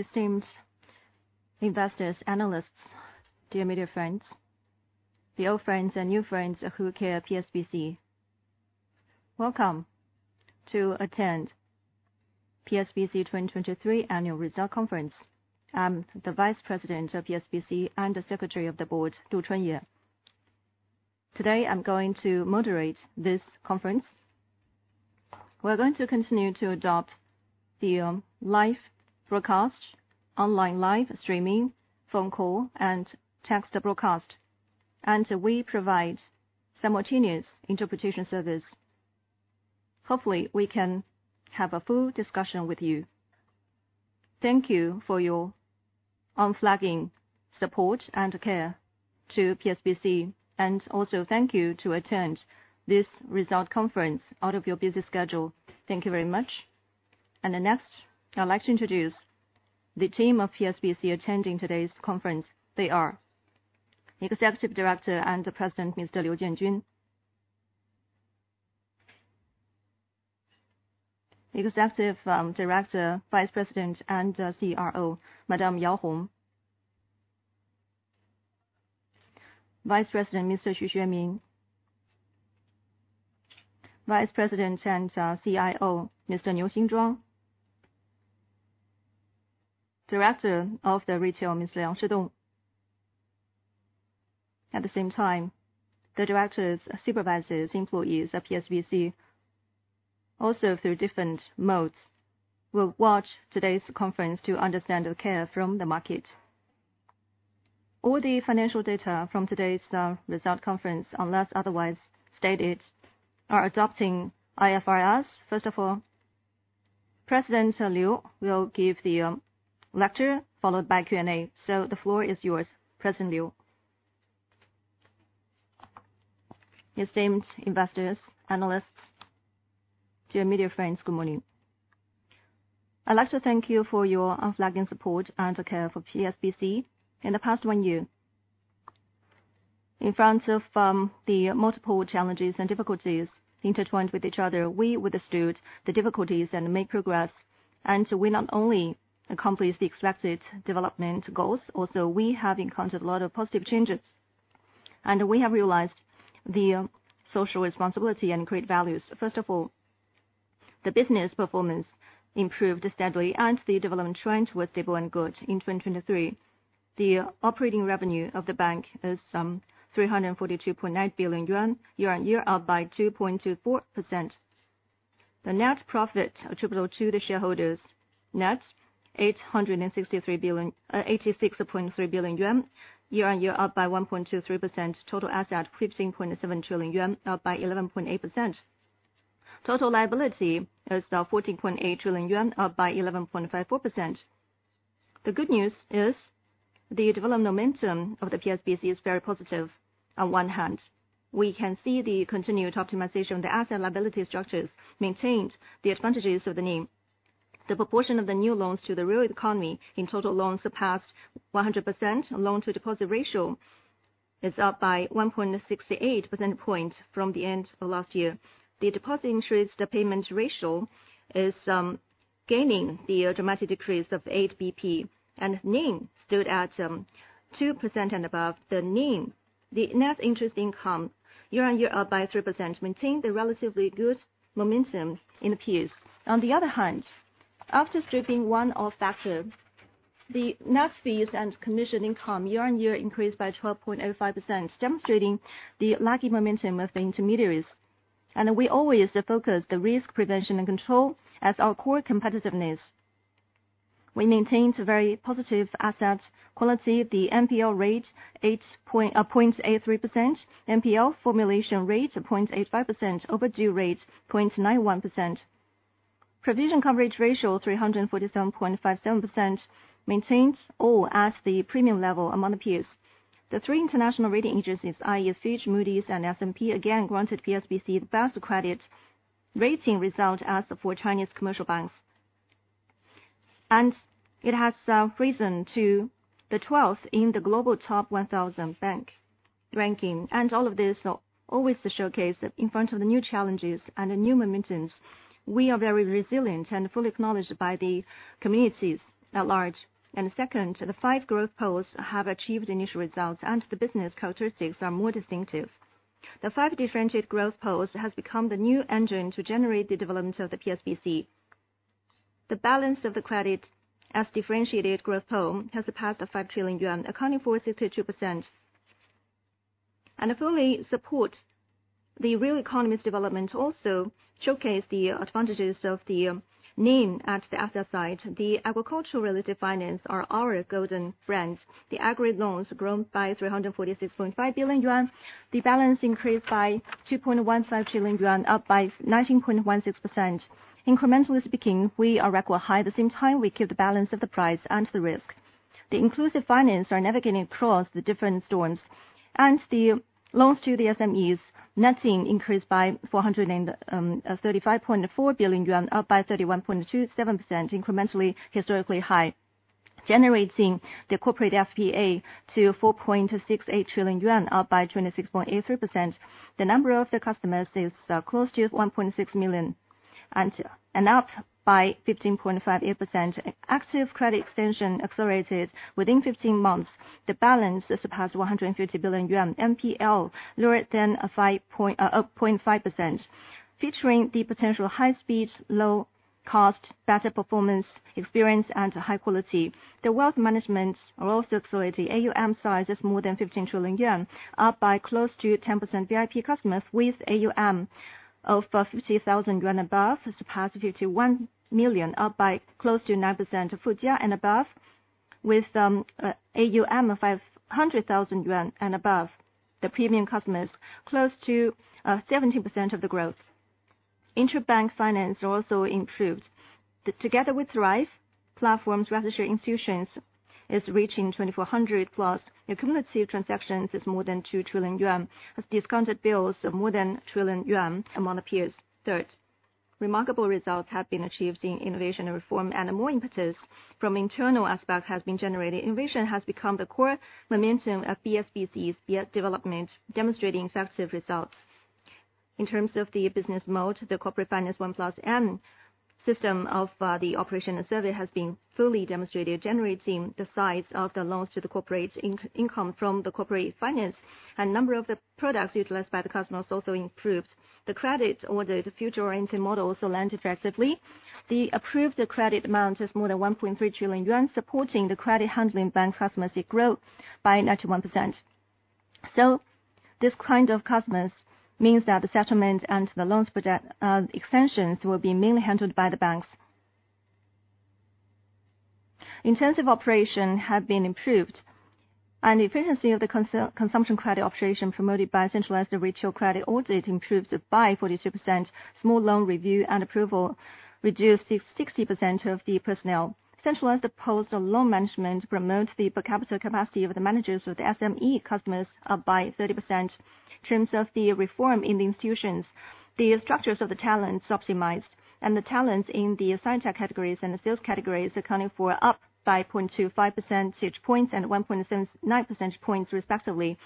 Esteemed investors, analysts, dear media friends, the old friends and new friends who care about PSBC, welcome to attend PSBC 2023 Annual Result Conference. I'm the Vice President of PSBC and the Secretary of the Board, Du Chunye. Today I'm going to moderate this conference. We're going to continue to adopt the live broadcast, online live streaming, phone call, and text broadcast, and we provide simultaneous interpretation service. Hopefully we can have a full discussion with you. Thank you for your unflagging support and care to PSBC, and also thank you to attend this result conference out of your busy schedule. Thank you very much. Next, I'd like to introduce the team of PSBC attending today's conference. They are: Executive Director and President, Mr. Liu Jianjun; Executive Director, Vice President and CRO, Madame Yao Hong; Vice President, Mr. Xu Xueming; Vice President and CIO, Mr. Niu Xinzhuang, Director of the Retail, Mr. Liang Shidong. At the same time, the directors supervise employees at PSBC. Also, through different modes, we'll watch today's conference to understand the care from the market. All the financial data from today's result conference, unless otherwise stated, are adopting IFRS. First of all, President Liu will give the lecture, followed by Q&A. So the floor is yours, President Liu. Esteemed investors, analysts, dear media friends, good morning. I'd like to thank you for your unflagging support and care for PSBC in the past one year. In front of the multiple challenges and difficulties intertwined with each other, we withstood the difficulties and made progress. And we not only accomplished the expected development goals, also we have encountered a lot of positive changes. And we have realized the social responsibility and great values. First of all, the business performance improved steadily, and the development trend was stable and good in 2023. The operating revenue of the bank is 342.9 billion yuan, year on year, up by 2.24%. The net profit attributable to the shareholders: net 863.3 billion, year on year, up by 1.23%. Total asset: 15.7 trillion yuan, up by 11.8%. Total liability is 14.8 trillion yuan, up by 11.54%. The good news is the development momentum of the PSBC is very positive. On one hand, we can see the continued optimization of the asset liability structures maintained the advantages of the name. The proportion of the new loans to the real economy in total loans surpassed 100% loan-to-deposit ratio is up by 1.68 percentage points from the end of last year. The deposit interest payment ratio is seeing a dramatic decrease of 8 BP, and the NIM stood at 2% and above. The NIM, the net interest income, year on year, up by 3%, maintained the relatively good momentum in the industry. On the other hand, after stripping one-off factor, the net fees and commission income year on year increased by 12.05%, demonstrating the strong momentum of the intermediary business. We always focus on the risk prevention and control as our core competitiveness. We maintained very positive asset quality. The NPL rate: 0.83%. NPL formation rate: 0.85%. Overdue rate: 0.91%. Provision coverage ratio: 347.57%, maintained all at the premium level among the peers. The three international rating agencies, i.e., Fitch, Moody's, and S&P, again granted PSBC the best credit rating result among Chinese commercial banks. It has risen to the 12th in the global top 1,000 bank ranking. All of this always showcases in front of the new challenges and the new momentums, we are very resilient and fully acknowledged by the communities at large. Second, the five growth poles have achieved initial results, and the business characteristics are more distinctive. The five differentiated growth poles have become the new engine to generate the development of the PSBC. The balance of the credit as differentiated growth poll has surpassed 5 trillion yuan, accounting for 62%. And to fully support the real economy's development, also showcase the advantages of the name at the asset side. The agriculture-related finance are our golden friends. The aggregate loans grown by 346.5 billion yuan. The balance increased by 2.15 trillion yuan, up by 19.16%. Incrementally speaking, we are record high. At the same time, we keep the balance of the price and the risk. The inclusive finance are navigating across the different storms. The loans to the SMEs, netting increased by 435.4 billion yuan, up by 31.27%, incrementally historically high, generating the corporate FPA to 4.68 trillion yuan, up by 26.83%. The number of the customers is close to 1.6 million and up by 15.58%. Active credit extension accelerated within 15 months. The balance surpassed 150 billion yuan. NPL lowered than 0.5%, featuring the potential high-speed, low-cost, better performance experience, and high quality. The wealth management are also accelerated. AUM size is more than 15 trillion yuan, up by close to 10%. VIP customers with AUM of 50,000 yuan above surpass 51 million, up by close to 9%. Fujia and above with AUM of 500,000 yuan and above. The premium customers close to 17% of the growth. Interbank finance also improved. Together We Thrive platform's registered institutions is reaching 2,400+. Cumulative transactions is more than 2 trillion yuan. Has discounted bills of more than 1 trillion yuan among the peers. Third, remarkable results have been achieved in innovation and reform, and more impetus from internal aspects has been generated. Innovation has become the core momentum of PSBC's development, demonstrating effective results. In terms of the business mode, the corporate finance 1+N system of the operation and service has been fully demonstrated, generating the size of the loans to the corporate income from the corporate finance. And number of the products utilized by the customers also improved. The credit-ordered future-oriented model also lent effectively. The approved credit amount is more than 1.3 trillion yuan, supporting the credit handling bank customer seek growth by 91%. So this kind of customers means that the settlement and the loans extensions will be mainly handled by the banks. Intensive operation have been improved. The efficiency of the consumption credit operation promoted by centralized retail credit audit improved by 42%. Small loan review and approval reduced 60% of the personnel. Centralized post loan management promote the per capita capacity of the managers of the SME customers up by 30%. In terms of the reform in the institutions, the structures of the talents optimized, and the talents in the science tech categories and the sales categories accounting for up by 0.25 percentage points and 1.79 percentage points, respectively.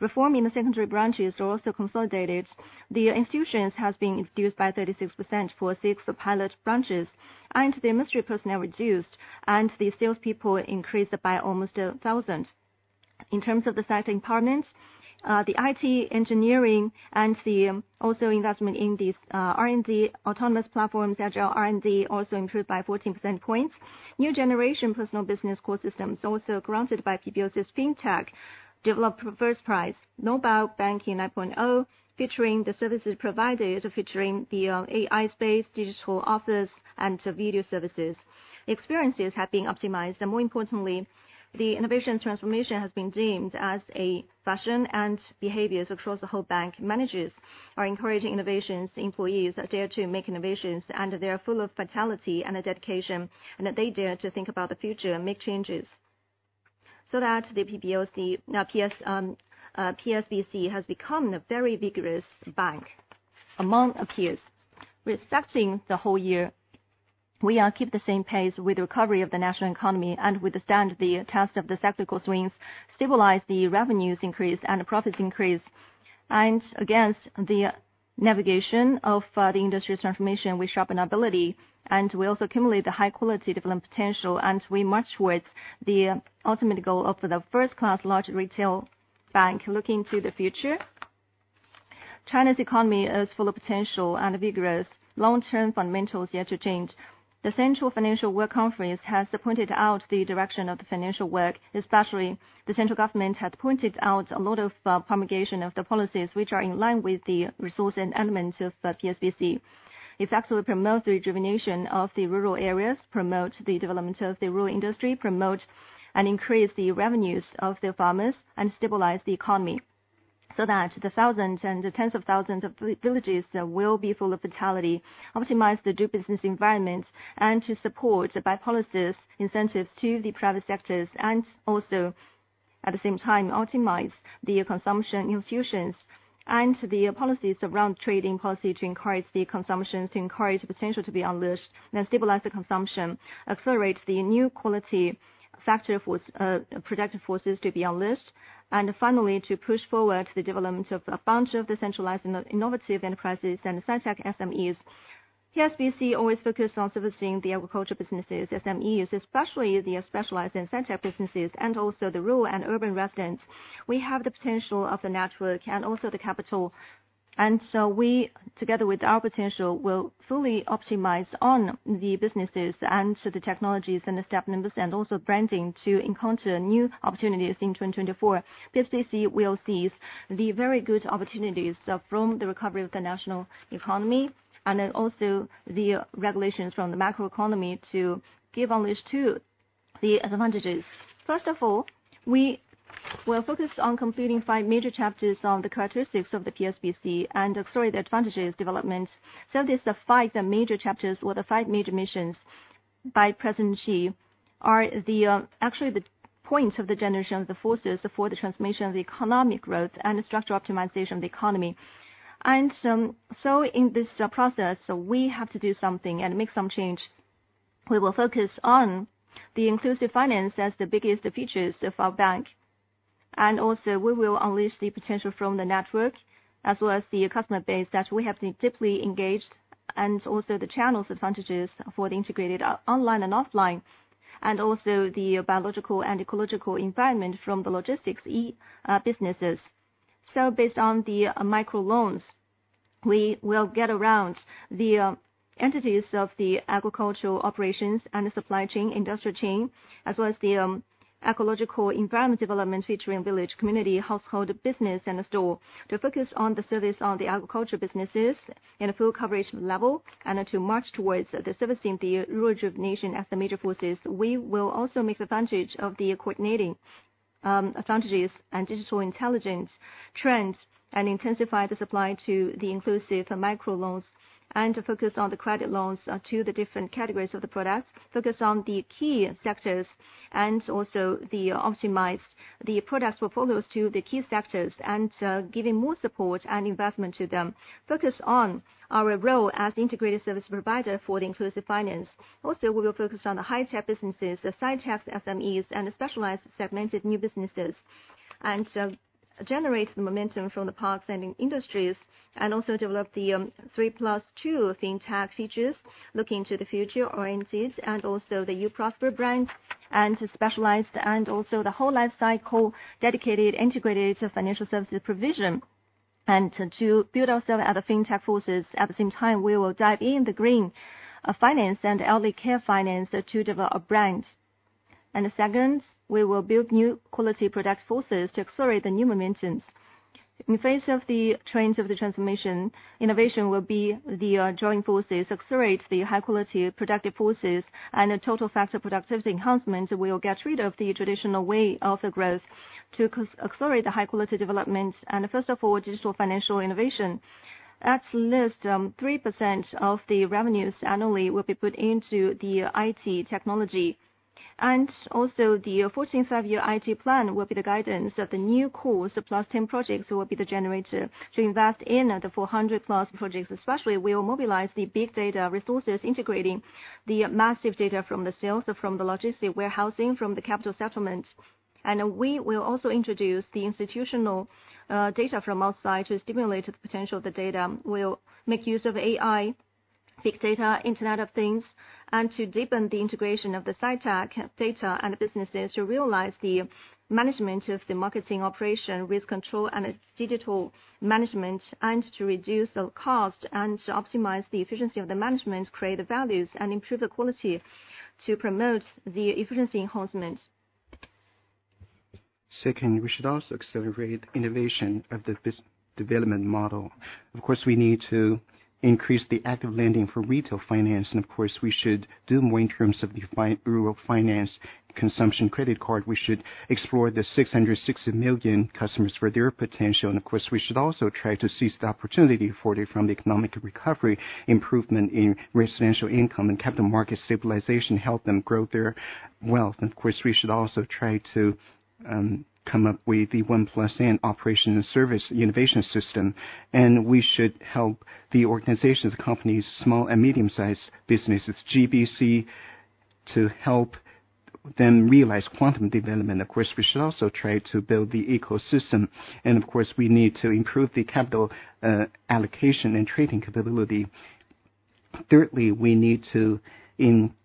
Reform in the secondary branches are also consolidated. The institutions has been reduced by 36% for six pilot branches. The industry personnel reduced, and the salespeople increased by almost 1,000. In terms of the sci-tech empowerment, the IT engineering and the also investment in these R&D autonomous platforms, agile R&D also improved by 14 percentage points. New generation personal business core systems also granted by PBOC's fintech development first prize, Mobile Banking 9.0, featuring the services provided featuring the AI space, digital office, and video services. Experiences have been optimized. More importantly, the innovation transformation has been deemed as a fashion and behaviors across the whole bank. Managers are encouraging innovations. Employees dare to make innovations, and they are full of vitality and dedication, and they dare to think about the future and make changes. So now PSBC has become a very vigorous bank among peers. Reflecting the whole year, we keep the same pace with the recovery of the national economy and withstand the test of the cyclical swings, stabilize the revenues increase and profits increase. Against the navigation of the industry transformation, we sharpen our ability, and we also accumulate the high-quality development potential, and we march towards the ultimate goal of the first-class large retail bank looking to the future. China's economy is full of potential and vigorous. Long-term fundamentals yet to change. The Central Financial Work Conference has pointed out the direction of the financial work, especially the central government has pointed out a lot of promulgation of the policies which are in line with the resource and elements of PSBC. Effectively promote the rejuvenation of the rural areas, promote the development of the rural industry, promote and increase the revenues of the farmers, and stabilize the economy. So that the thousands and tens of thousands of villages will be full of vitality, optimize the doing business environment, and to support by policy incentives to the private sectors, and also at the same time optimize the consumption institutions and the policies around trading policy to encourage the consumption to encourage the potential to be unleashed, then stabilize the consumption, accelerate the new quality factor for productive forces to be unleashed, and finally to push forward the development of a bunch of the centralized innovative enterprises and sci-tech SMEs. PSBC always focused on servicing the agriculture businesses, SMEs, especially the specialized and sci-tech businesses, and also the rural and urban residents. We have the potential of the network and also the capital. And so we together with our potential will fully optimize on the businesses and the technologies and the staff members and also branding to encounter new opportunities in 2024. PSBC will seize the very good opportunities from the recovery of the national economy and also the regulations from the macroeconomy to give unleash to the advantages. First of all, we will focus on completing five major chapters of the characteristics of the PSBC and accelerate the advantages development. So these are five major chapters or the five major missions by President Xi are the actually the point of the generation of the forces for the transformation of the economic growth and structural optimization of the economy. And so in this process, we have to do something and make some change. We will focus on the inclusive finance as the biggest features of our bank. Also we will unleash the potential from the network as well as the customer base that we have deeply engaged and also the channels advantages for the integrated online and offline and also the biological and ecological environment from the logistics businesses. Based on the microloans, we will get around the entities of the agricultural operations and the supply chain industry chain as well as the ecological environment development featuring village, community, household, business, and the store to focus on the service on the agriculture businesses in a full coverage level and to march towards the servicing the rural rejuvenation as the major forces. We will also make advantage of the coordinating advantages and digital intelligence trends and intensify the supply to the inclusive microloans and focus on the credit loans to the different categories of the products, focus on the key sectors, and also optimize the product portfolios to the key sectors and giving more support and investment to them. Focus on our role as integrated service provider for the inclusive finance. Also, we will focus on the high-tech businesses, the science tech SMEs, and the specialized segmented new businesses and generate the momentum from the parks and industries and also develop the 3 + 2 fintech features looking to the future oriented and also the U Prosper brand and specialized and also the whole life cycle dedicated integrated financial services provision. And to build ourselves as a fintech forces, at the same time, we will dive in the green finance and elderly care finance to develop a brand. And the second, we will build new quality product forces to accelerate the new momentums. In face of the trends of the transformation, innovation will be the drawing forces, accelerate the high-quality productive forces, and total factor productivity enhancement will get rid of the traditional way of the growth to accelerate the high-quality development and first of all, digital financial innovation. At least 3% of the revenues annually will be put into the IT technology. Also, the 14th Five-Year IT plan will be the guidance that the New Core plus 10 projects will be the generator to invest in the 400+ projects, especially we will mobilize the big data resources integrating the massive data from the sales, from the logistics, warehousing, from the capital settlement. We will also introduce the institutional data from outside to stimulate the potential of the data. We'll make use of AI, big data, Internet of Things, and to deepen the integration of the science tech data and businesses to realize the management of the marketing operation risk control and digital management and to reduce the cost and to optimize the efficiency of the management, create the values, and improve the quality to promote the efficiency enhancement. Second, we should also accelerate innovation of the development model. Of course, we need to increase the active lending for retail finance. And of course, we should do more in terms of the rural finance consumption credit card. We should explore the 660 million customers for their potential. And of course, we should also try to seize the opportunity for it from the economic recovery, improvement in residential income, and capital market stabilization, help them grow their wealth. And of course, we should also try to come up with the OnePlus N operation and service innovation system. And we should help the organizations, the companies, small and medium-sized businesses, GBC to help them realize quantum development. Of course, we should also try to build the ecosystem. And of course, we need to improve the capital allocation and trading capability. Thirdly, we need to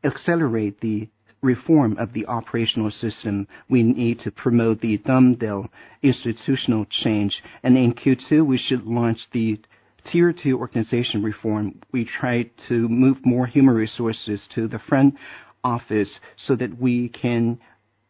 accelerate the reform of the operational system. We need to promote the thorough institutional change. In Q2, we should launch the tier two organization reform. We try to move more human resources to the front office so that we can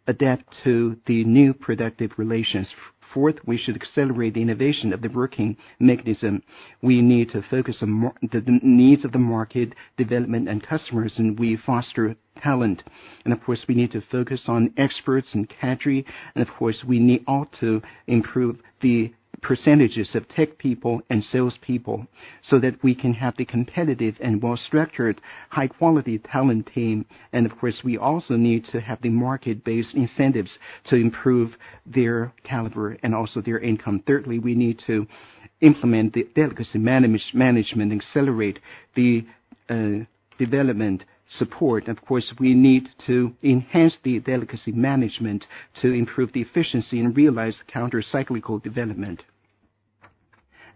adapt to the new productive relations. Fourth, we should accelerate the innovation of the working mechanism. We need to focus on the needs of the market development and customers, and we foster talent. And of course, we need to focus on experts and cadre. And of course, we need all to improve the percentage of tech people and salespeople so that we can have the competitive and well-structured high-quality talent team. And of course, we also need to have the market-based incentives to improve their caliber and also their income. Thirdly, we need to implement the delicacy management, accelerate the development support. Of course, we need to enhance the digital management to improve the efficiency and realize countercyclical development.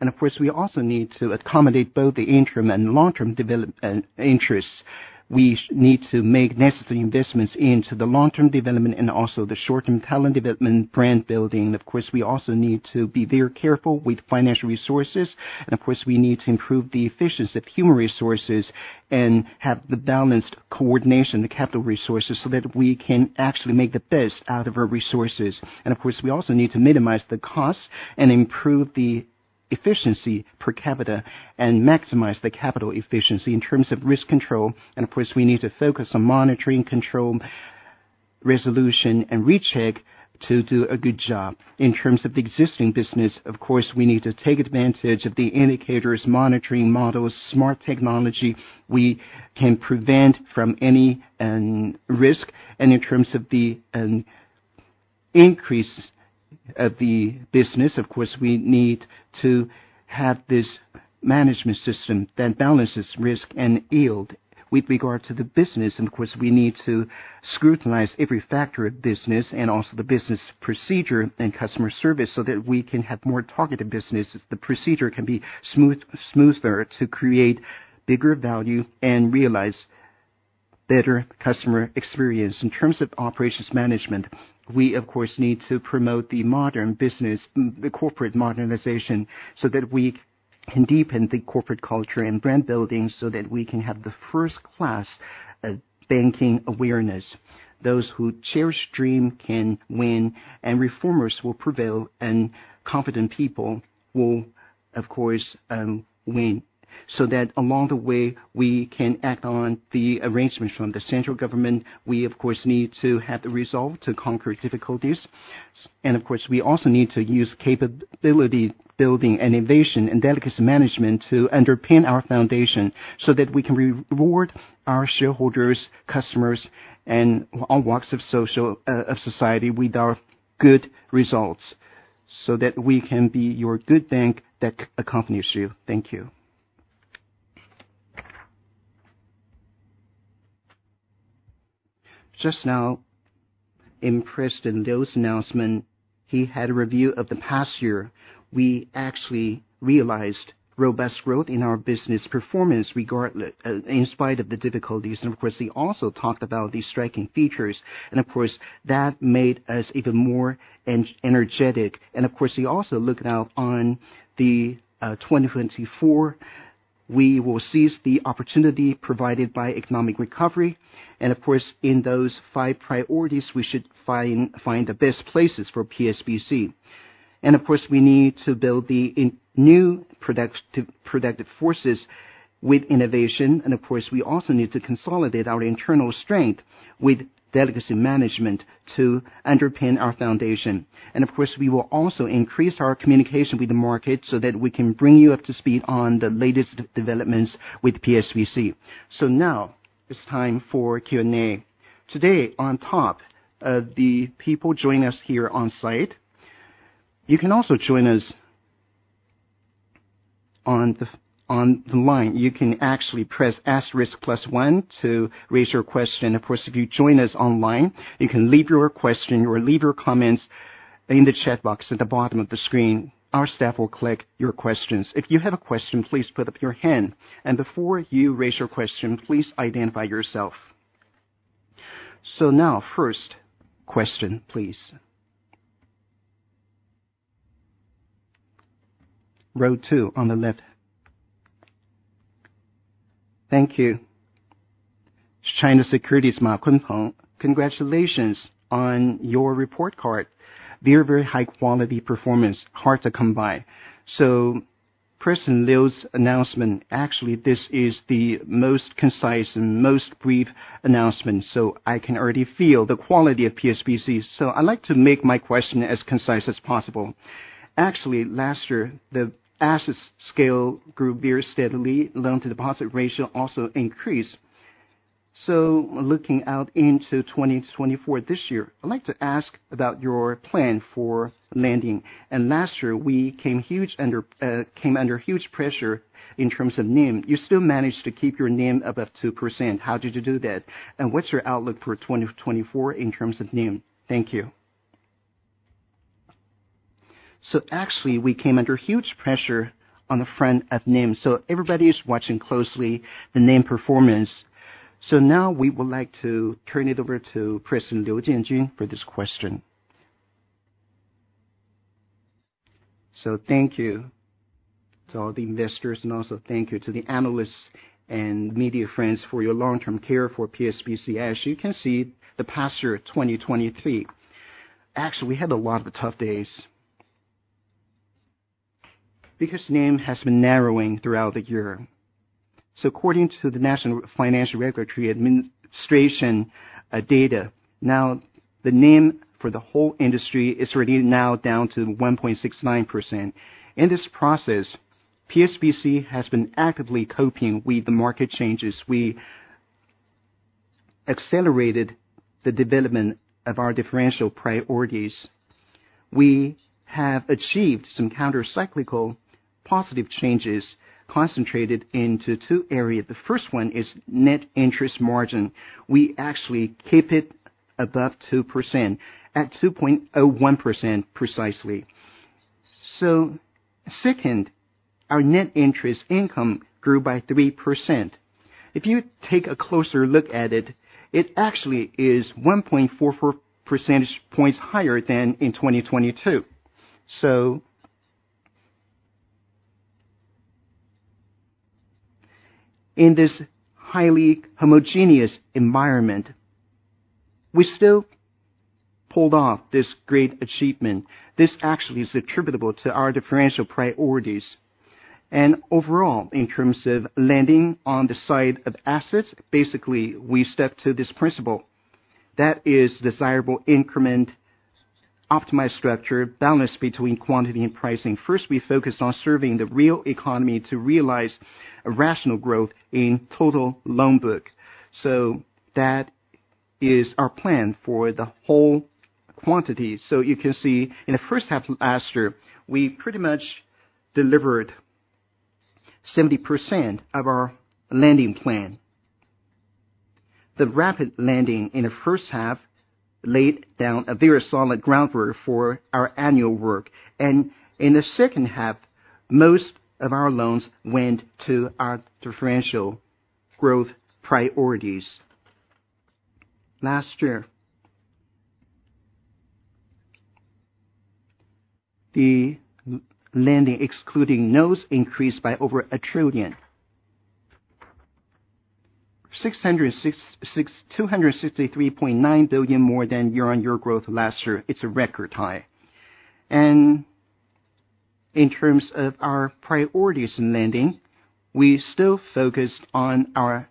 Of course, we also need to accommodate both the interim and long-term development interests. We need to make necessary investments into the long-term development and also the short-term talent development, brand building. Of course, we also need to be very careful with financial resources. Of course, we need to improve the efficiency of human resources and have the balanced coordination, the capital resources so that we can actually make the best out of our resources. Of course, we also need to minimize the costs and improve the efficiency per capita and maximize the capital efficiency in terms of risk control. Of course, we need to focus on monitoring, control, resolution, and recheck to do a good job. In terms of the existing business, of course, we need to take advantage of the indicators, monitoring models, smart technology. We can prevent from any risk. In terms of the increase of the business, of course, we need to have this management system that balances risk and yield with regard to the business. Of course, we need to scrutinize every factor of business and also the business procedure and customer service so that we can have more targeted businesses. The procedure can be smoother to create bigger value and realize better customer experience. In terms of operations management, we, of course, need to promote the modern business, the corporate modernization so that we can deepen the corporate culture and brand building so that we can have the first-class banking awareness. Those who cherish dream can win, and reformers will prevail, and confident people will, of course, win. So that along the way, we can act on the arrangements from the central government. We, of course, need to have the resolve to conquer difficulties. Of course, we also need to use capability building, innovation, and delicate management to underpin our foundation so that we can reward our shareholders, customers, and all walks of society with our good results so that we can be your good bank that accompanies you. Thank you. Just now, expressed in those announcements, he had a review of the past year. We actually realized robust growth in our business performance in spite of the difficulties. Of course, he also talked about the striking features. Of course, that made us even more energetic. Of course, he also [gave an] outlook on 2024. We will seize the opportunity provided by economic recovery. Of course, in those five priorities, we should find the best places for PSBC. Of course, we need to build the new productive forces with innovation. Of course, we also need to consolidate our internal strength with delicacy management to underpin our foundation. Of course, we will also increase our communication with the market so that we can bring you up to speed on the latest developments with PSBC. Now it's time for Q&A. Today, on top of the people joining us here on site, you can also join us on the line. You can actually press star one to raise your question. Of course, if you join us online, you can leave your question or leave your comments in the chat box at the bottom of the screen. Our staff will collect your questions. If you have a question, please put up your hand. Before you raise your question, please identify yourself. Now, first question, please. Row two on the left. Thank you. China Securities, Mao Kunpeng, congratulations on your report card. Very, very high-quality performance, hard to come by. President Liu's announcement, actually, this is the most concise and most brief announcement. I can already feel the quality of PSBC. I'd like to make my question as concise as possible. Actually, last year, the assets scale grew very steadily. Loan-to-deposit ratio also increased. Looking out into 2024 this year, I'd like to ask about your plan for lending. Last year, we came under huge pressure in terms of NIM. You still managed to keep your NIM above 2%. How did you do that? What's your outlook for 2024 in terms of NIM? Thank you. So actually, we came under huge pressure on the front of NIM. So everybody is watching closely the NIM performance. So now we would like to turn it over to President Liu Jianjun for this question. So thank you to all the investors. And also thank you to the analysts and media friends for your long-term care for PSBC. As you can see, the past year of 2023, actually, we had a lot of tough days because NIM has been narrowing throughout the year. So according to the National Financial Regulatory Administration data, now the NIM for the whole industry is already now down to 1.69%. In this process, PSBC has been actively coping with the market changes. We accelerated the development of our differential priorities. We have achieved some countercyclical positive changes concentrated into two areas. The first one is net interest margin. We actually keep it above 2% at 2.01% precisely. So second, our net interest income grew by 3%. If you take a closer look at it, it actually is 1.44 percentage points higher than in 2022. So in this highly homogeneous environment, we still pulled off this great achievement. This actually is attributable to our differential priorities. And overall, in terms of lending on the side of assets, basically, we stepped to this principle. That is desirable increment, optimized structure, balance between quantity and pricing. First, we focused on serving the real economy to realize a rational growth in total loan book. So that is our plan for the whole quantity. So you can see in the first half of last year, we pretty much delivered 70% of our lending plan. The rapid lending in the first half laid down a very solid groundwork for our annual work. In the second half, most of our loans went to our differential growth priorities. Last year, the lending excluding notes increased by over 1 trillion, 263.9 billion more than year-on-year growth last year. It's a record high. In terms of our priorities in lending, we still focused on our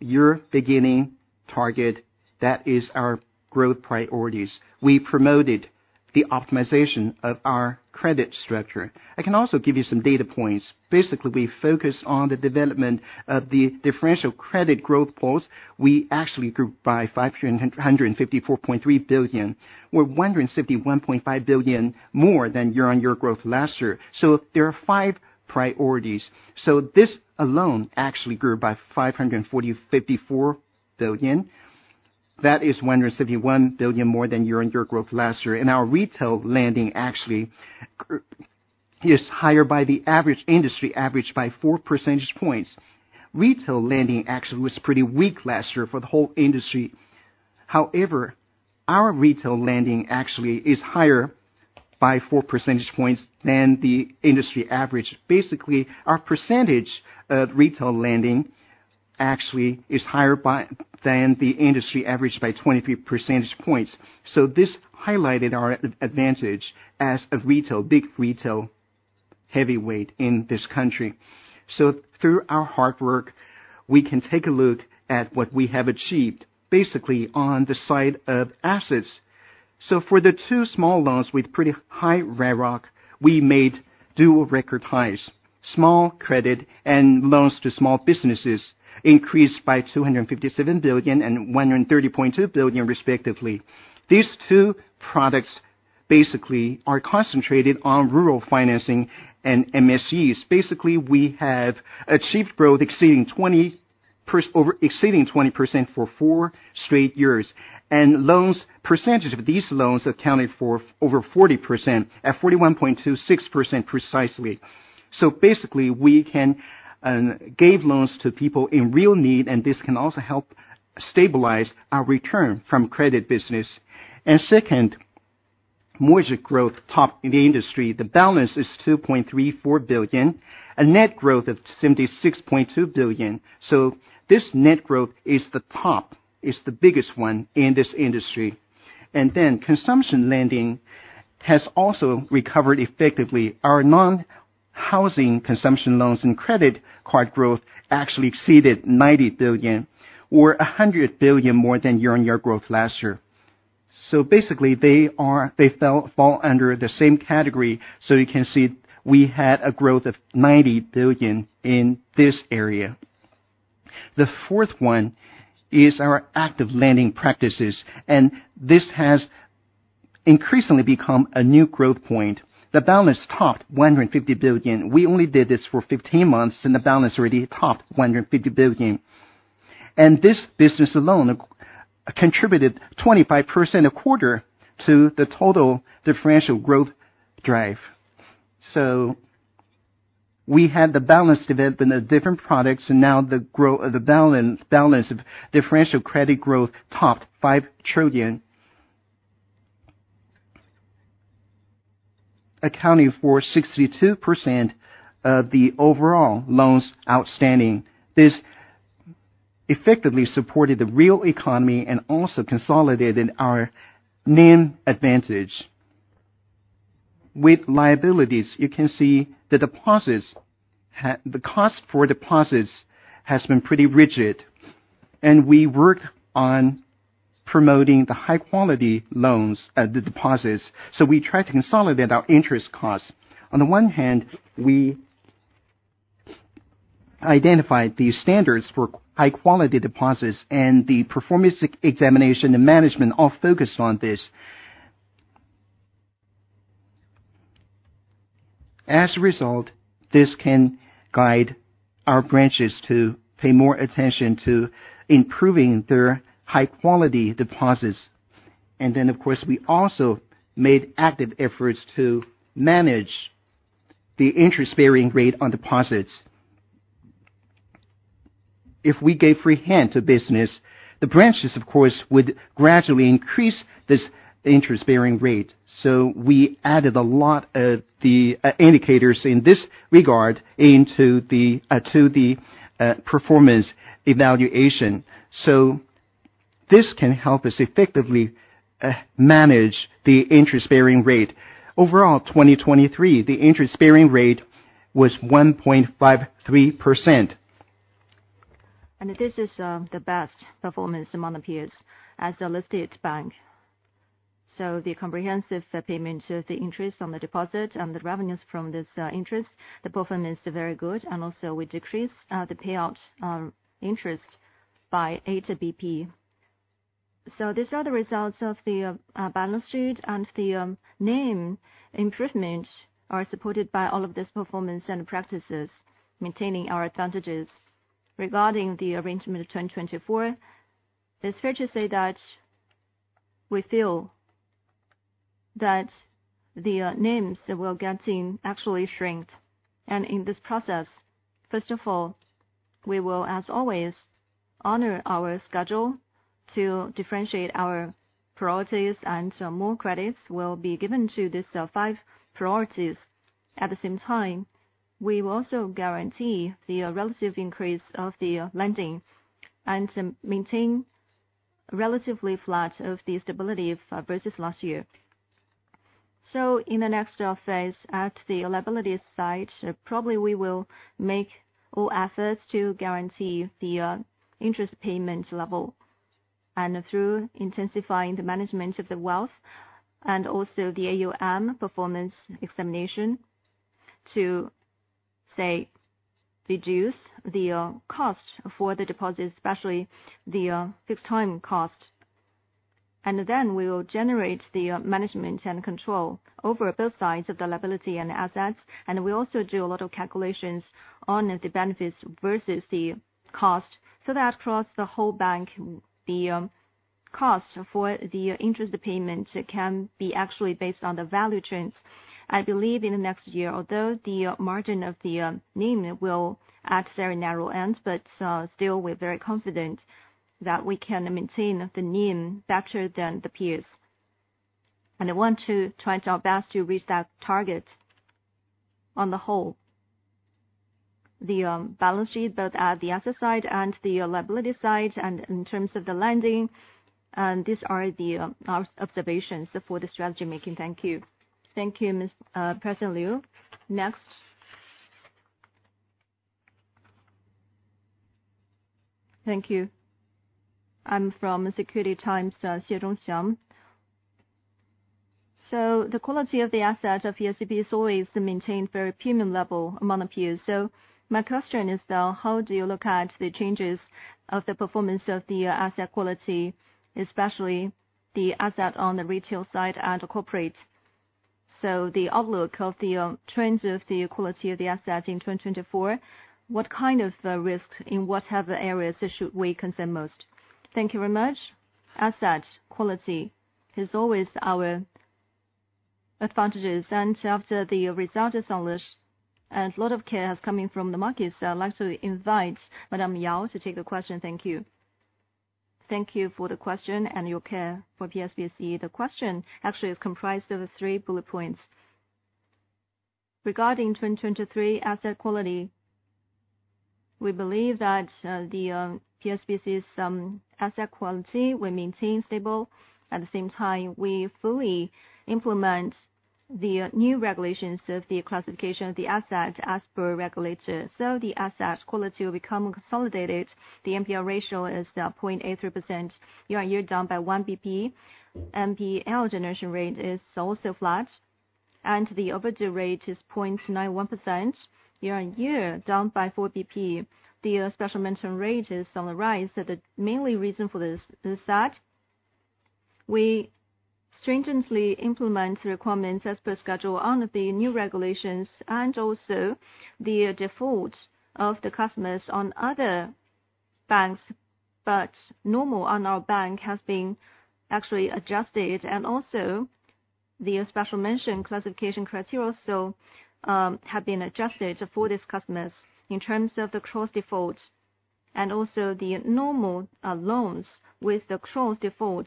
year-beginning target. That is our growth priorities. We promoted the optimization of our credit structure. I can also give you some data points. Basically, we focused on the development of the differential credit growth poles. We actually grew by 554.3 billion. We're 151.5 billion more than year-on-year growth last year. So there are five priorities. So this alone actually grew by 554 billion. That is 151 billion more than year-on-year growth last year. Our retail lending actually is higher by the average industry average by 4 percentage points. Retail lending actually was pretty weak last year for the whole industry. However, our retail lending actually is higher by 4 percentage points than the industry average. Basically, our percentage of retail lending actually is higher than the industry average by 23 percentage points. This highlighted our advantage as a big retail heavyweight in this country. Through our hard work, we can take a look at what we have achieved basically on the side of assets. For the two small loans with pretty high RAROC, we made dual record highs. Small credit and loans to small businesses increased by 257 billion and 130.2 billion, respectively. These two products basically are concentrated on rural financing and MSEs. Basically, we have achieved growth exceeding 20% for 4 straight years. Percentage of these loans accounted for over 40% at 41.26% precisely. So basically, we can give loans to people in real need, and this can also help stabilize our return from credit business. And second, mortgage growth topped the industry. The balance is 2.34 billion, a net growth of 76.2 billion. So this net growth is the top, is the biggest one in this industry. And then consumption lending has also recovered effectively. Our non-housing consumption loans and credit card growth actually exceeded 90 billion. We're 100 billion more than year-on-year growth last year. So basically, they fall under the same category. So you can see we had a growth of 90 billion in this area. The fourth one is our active lending practices. And this has increasingly become a new growth point. The balance topped 150 billion. We only did this for 15 months, and the balance already topped 150 billion. This business alone contributed 25% a quarter to the total differential growth drive. We had the balance development of different products. Now the balance of differential credit growth topped 5 trillion, accounting for 62% of the overall loans outstanding. This effectively supported the real economy and also consolidated our NIM advantage. With liabilities, you can see the cost for deposits has been pretty rigid. We worked on promoting the high-quality loans at the deposits. We tried to consolidate our interest costs. On the one hand, we identified the standards for high-quality deposits, and the performance examination and management all focused on this. As a result, this can guide our branches to pay more attention to improving their high-quality deposits. Then, of course, we also made active efforts to manage the interest-bearing rate on deposits. If we gave free hand to business, the branches, of course, would gradually increase this interest-bearing rate. We added a lot of the indicators in this regard into the performance evaluation. This can help us effectively manage the interest-bearing rate. Overall, 2023, the interest-bearing rate was 1.53%. This is the best performance among the peers as a listed bank. The comprehensive payment of the interest on the deposit and the revenues from this interest, the performance is very good. Also, we decreased the payout interest by 8 BP. These are the results of the balance sheet. The NIM improvement are supported by all of these performance and practices, maintaining our advantages. Regarding the arrangement of 2024, it's fair to say that we feel that the NIMs will get actually shrinked. In this process, first of all, we will, as always, honor our schedule to differentiate our priorities. More credits will be given to these five priorities. At the same time, we will also guarantee the relative increase of the lending and maintain relatively flat of the stability versus last year. So in the next phase, at the liabilities side, probably we will make all efforts to guarantee the interest payment level. And through intensifying the management of the wealth and also the AUM performance examination to, say, reduce the cost for the deposits, especially the fixed-time cost. And then we will generate the management and control over both sides of the liability and assets. And we also do a lot of calculations on the benefits versus the cost. So that across the whole bank, the cost for the interest payment can be actually based on the value trends, I believe, in the next year, although the margin of the NIM will at a very narrow end. But still, we're very confident that we can maintain the NIM better than the peers. And I want to try our best to reach that target on the whole, the balance sheet, both at the asset side and the liability side. And in terms of the lending, these are the observations for the strategy making. Thank you. Thank you, President Liu. Next. Thank you. I'm from Securities Times, Xie Zhongxiang. So the quality of the asset of PSBC is always maintained at a very premium level among the peers. So my question is, though, how do you look at the changes of the performance of the asset quality, especially the asset on the retail side and corporate? So the outlook of the trends of the quality of the assets in 2024, what kind of risks in whatever areas should we concern most? Thank you very much. Asset quality is always our advantages. After the results are published and a lot of care is coming from the markets, I'd like to invite Madame Yao to take the question. Thank you. Thank you for the question and your care for PSBC. The question actually is comprised of three bullet points. Regarding 2023 asset quality, we believe that the PSBC's asset quality will maintain stable. At the same time, we fully implement the new regulations of the classification of the asset as per regulator. So the asset quality will become consolidated. The NPL ratio is 0.83% year-on-year, down by 1 BP. NPL generation rate is also flat. The overdue rate is 0.91% year-on-year, down by 4 BP. The special mention rate is on the rise. The main reason for this is that we stringently implement the requirements as per schedule on the new regulations and also the defaults of the customers on other banks. But normal on our bank has been actually adjusted. And also, the special mention classification criteria also have been adjusted for these customers in terms of the cross default. And also, the normal loans with the cross default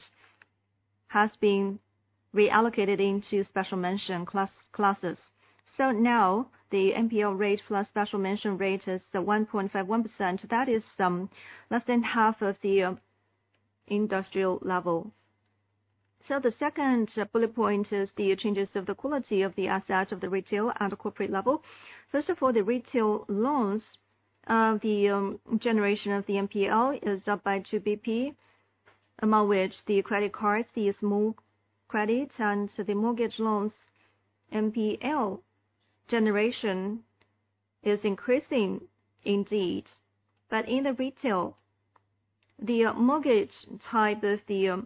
have been reallocated into special mention classes. So now, the NPL rate plus special mention rate is 1.51%. That is less than half of the industrial level. So the second bullet point is the changes of the quality of the asset of the retail and corporate level. First of all, the retail loans, the generation of the NPL is up by 2 BP, among which the credit cards, the small credit, and the mortgage loans NPL generation is increasing indeed. But in the retail, the mortgage type of the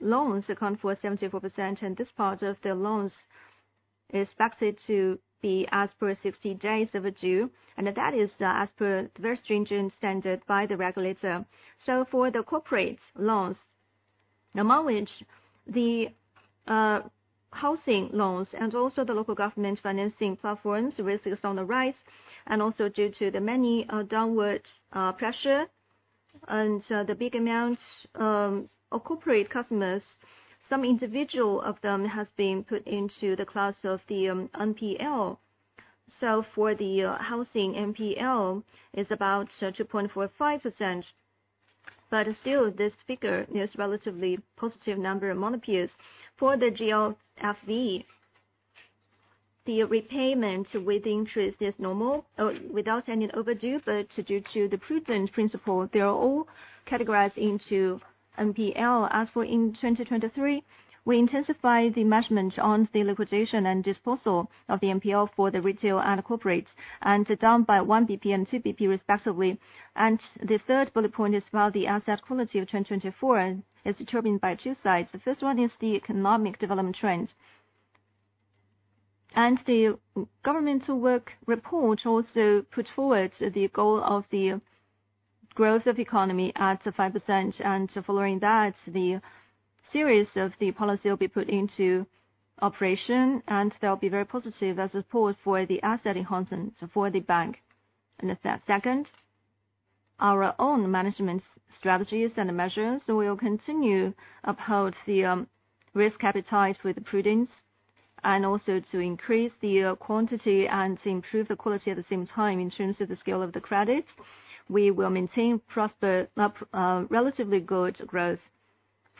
loans account for 74%. And this part of the loans is expected to be as per 60 days of a due. And that is as per the very stringent standard by the regulator. So for the corporate loans, among which the housing loans and also the local government financing platforms, risk is on the rise. And also due to the many downward pressure and the big amount of corporate customers, some individual of them has been put into the class of the NPL. So for the housing NPL, it's about 2.45%. But still, this figure is a relatively positive number among the peers. For the LGFV, the repayment with interest is normal without any overdue. But due to the prudent principle, they are all categorized into NPL. As for in 2023, we intensified the measurement on the liquidation and disposal of the NPL for the retail and corporate, and down by 1 BP and 2 BP, respectively. The third bullet point is about the asset quality of 2024. It's determined by two sides. The first one is the economic development trend. The governmental work report also put forward the goal of the growth of the economy at 5%. Following that, the series of the policy will be put into operation. They'll be very positive as a support for the asset enhancement for the bank. The second, our own management strategies and measures. We'll continue to uphold the risk appetite with prudence and also to increase the quantity and improve the quality at the same time in terms of the scale of the credits. We will maintain relatively good growth,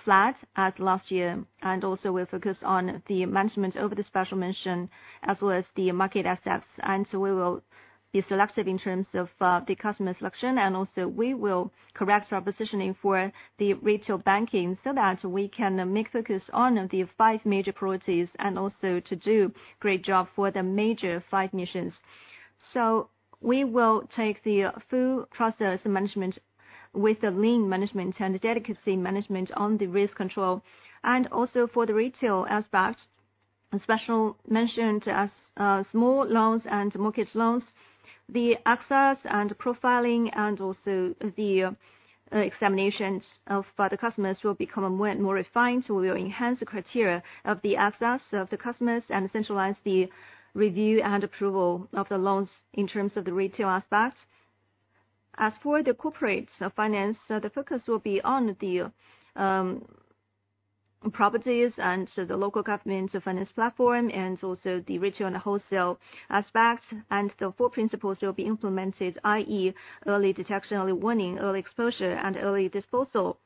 flat as last year. We'll focus on the management over the special mention as well as the market assets. We will be selective in terms of the customer selection. We will correct our positioning for the retail banking so that we can make focus on the five major priorities and also to do a great job for the major five missions. We will take the full process management with the lean management and the dedicated management on the risk control. Also for the retail aspect, special mention as small loans and mortgage loans, the access and profiling and also the examinations of the customers will become more and more refined. We will enhance the criteria of the access of the customers and centralize the review and approval of the loans in terms of the retail aspect. As for the corporate finance, the focus will be on the properties and the local government finance platform and also the retail and wholesale aspects. The four principles will be implemented, i.e., early detection, early warning, early exposure, and early disposal.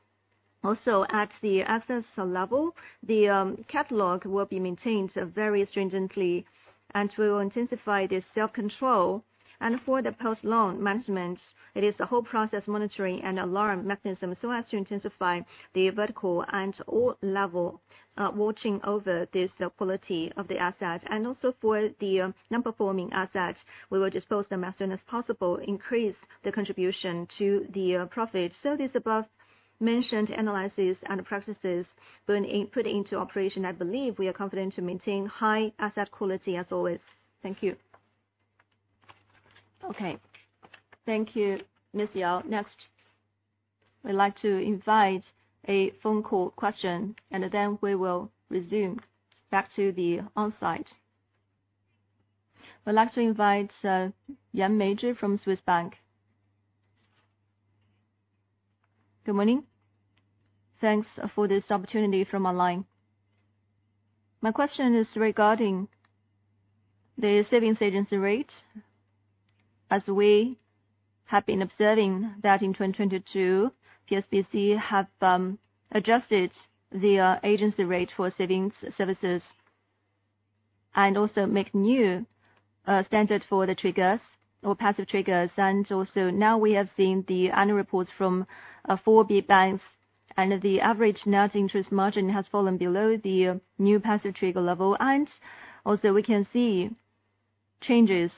Also, at the access level, the catalog will be maintained very stringently. We will intensify this self-control. For the post-loan management, it is the whole process monitoring and alarm mechanism so as to intensify the vertical and all-level watching over this quality of the asset. And also for the non-performing assets, we will dispose them as soon as possible, increase the contribution to the profit. So these above-mentioned analyses and practices being put into operation, I believe we are confident to maintain high asset quality as always. Thank you. Okay. Thank you, Miss Yao. Next. I'd like to invite a phone call question. And then we will resume back to the onsite. I'd like to invite Yan Meijie from UBS. Good morning. Thanks for this opportunity from online. My question is regarding the savings agency rate. As we have been observing that in 2022, PSBC have adjusted the agency rate for savings services and also made new standards for the triggers or passive triggers. And also now, we have seen the annual reports from four big banks. And the average net interest margin has fallen below the new passive trigger level. We can see changes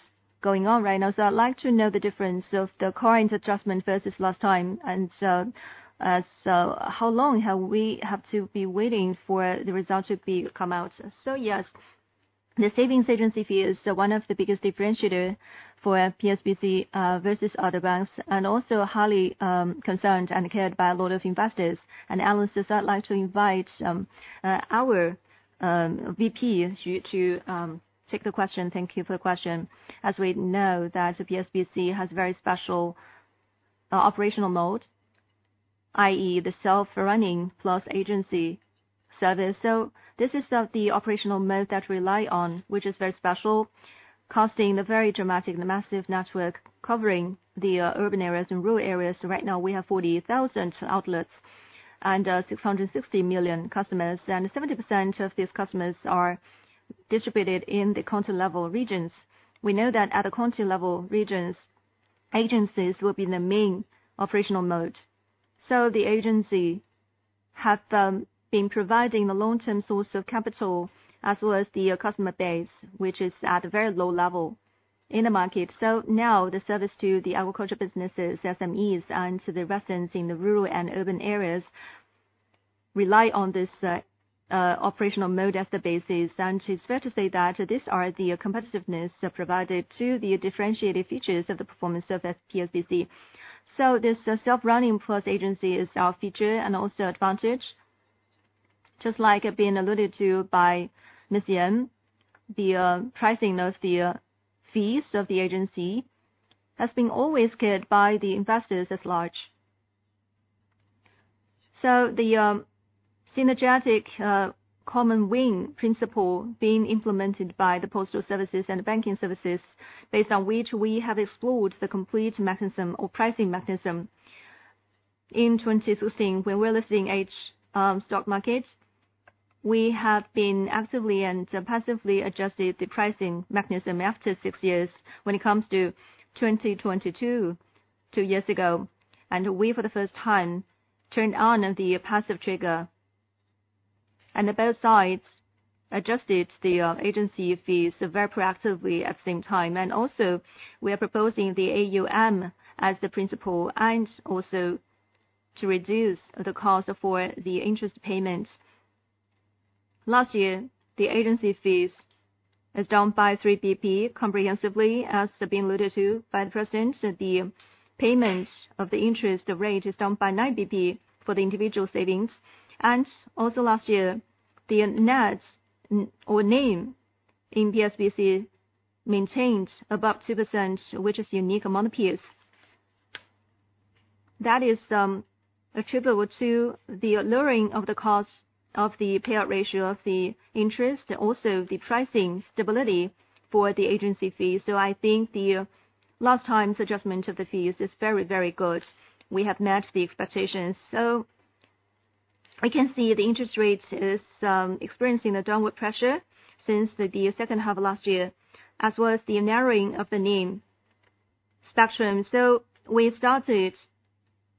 going on right now. I'd like to know the difference of the current adjustment versus last time. How long have we had to be waiting for the results to come out? Yes, the savings agency fee is one of the biggest differentiators for PSBC versus other banks and also highly concerned and cared about by a lot of investors. Analysts, I'd like to invite our VP to take the question. Thank you for the question. As we know that PSBC has a very special operational mode, i.e., the self-running plus agency service. This is the operational mode that we rely on, which is very special, costing a very dramatic and massive network covering the urban areas and rural areas. Right now, we have 40,000 outlets and 660 million customers. 70% of these customers are distributed in the county-level regions. We know that at the county-level regions, agencies will be the main operational mode. The agency has been providing the long-term source of capital as well as the customer base, which is at a very low level in the market. Now, the service to the agriculture businesses, SMEs, and to the residents in the rural and urban areas rely on this operational mode as the basis. It's fair to say that these are the competitiveness provided to the differentiated features of the performance of PSBC. This self-running plus agency is our feature and also advantage. Just like being alluded to by Miss Yan, the pricing of the fees of the agency has been always cared by the investors as large. So the synergetic common winning principle being implemented by the postal services and banking services, based on which we have explored the complete mechanism or pricing mechanism. In 2016, when we were listing H stock market, we have been actively and passively adjusting the pricing mechanism after 6 years when it comes to 2022, 2 years ago. We, for the first time, turned on the passive trigger. Both sides adjusted the agency fees very proactively at the same time. Also, we are proposing the AUM as the principle and also to reduce the cost for the interest payment. Last year, the agency fees are down by 3 BP comprehensively, as being alluded to by the president. The payment of the interest rate is down by 9 BP for the individual savings. Also, last year, the NIM in PSBC maintained above 2%, which is unique among the peers. That is attributable to the lowering of the cost of the payout ratio of the interest, also the pricing stability for the agency fees. So I think the last time's adjustment of the fees is very, very good. We have met the expectations. So I can see the interest rate is experiencing a downward pressure since the second half of last year as well as the narrowing of the NIM spectrum. So we started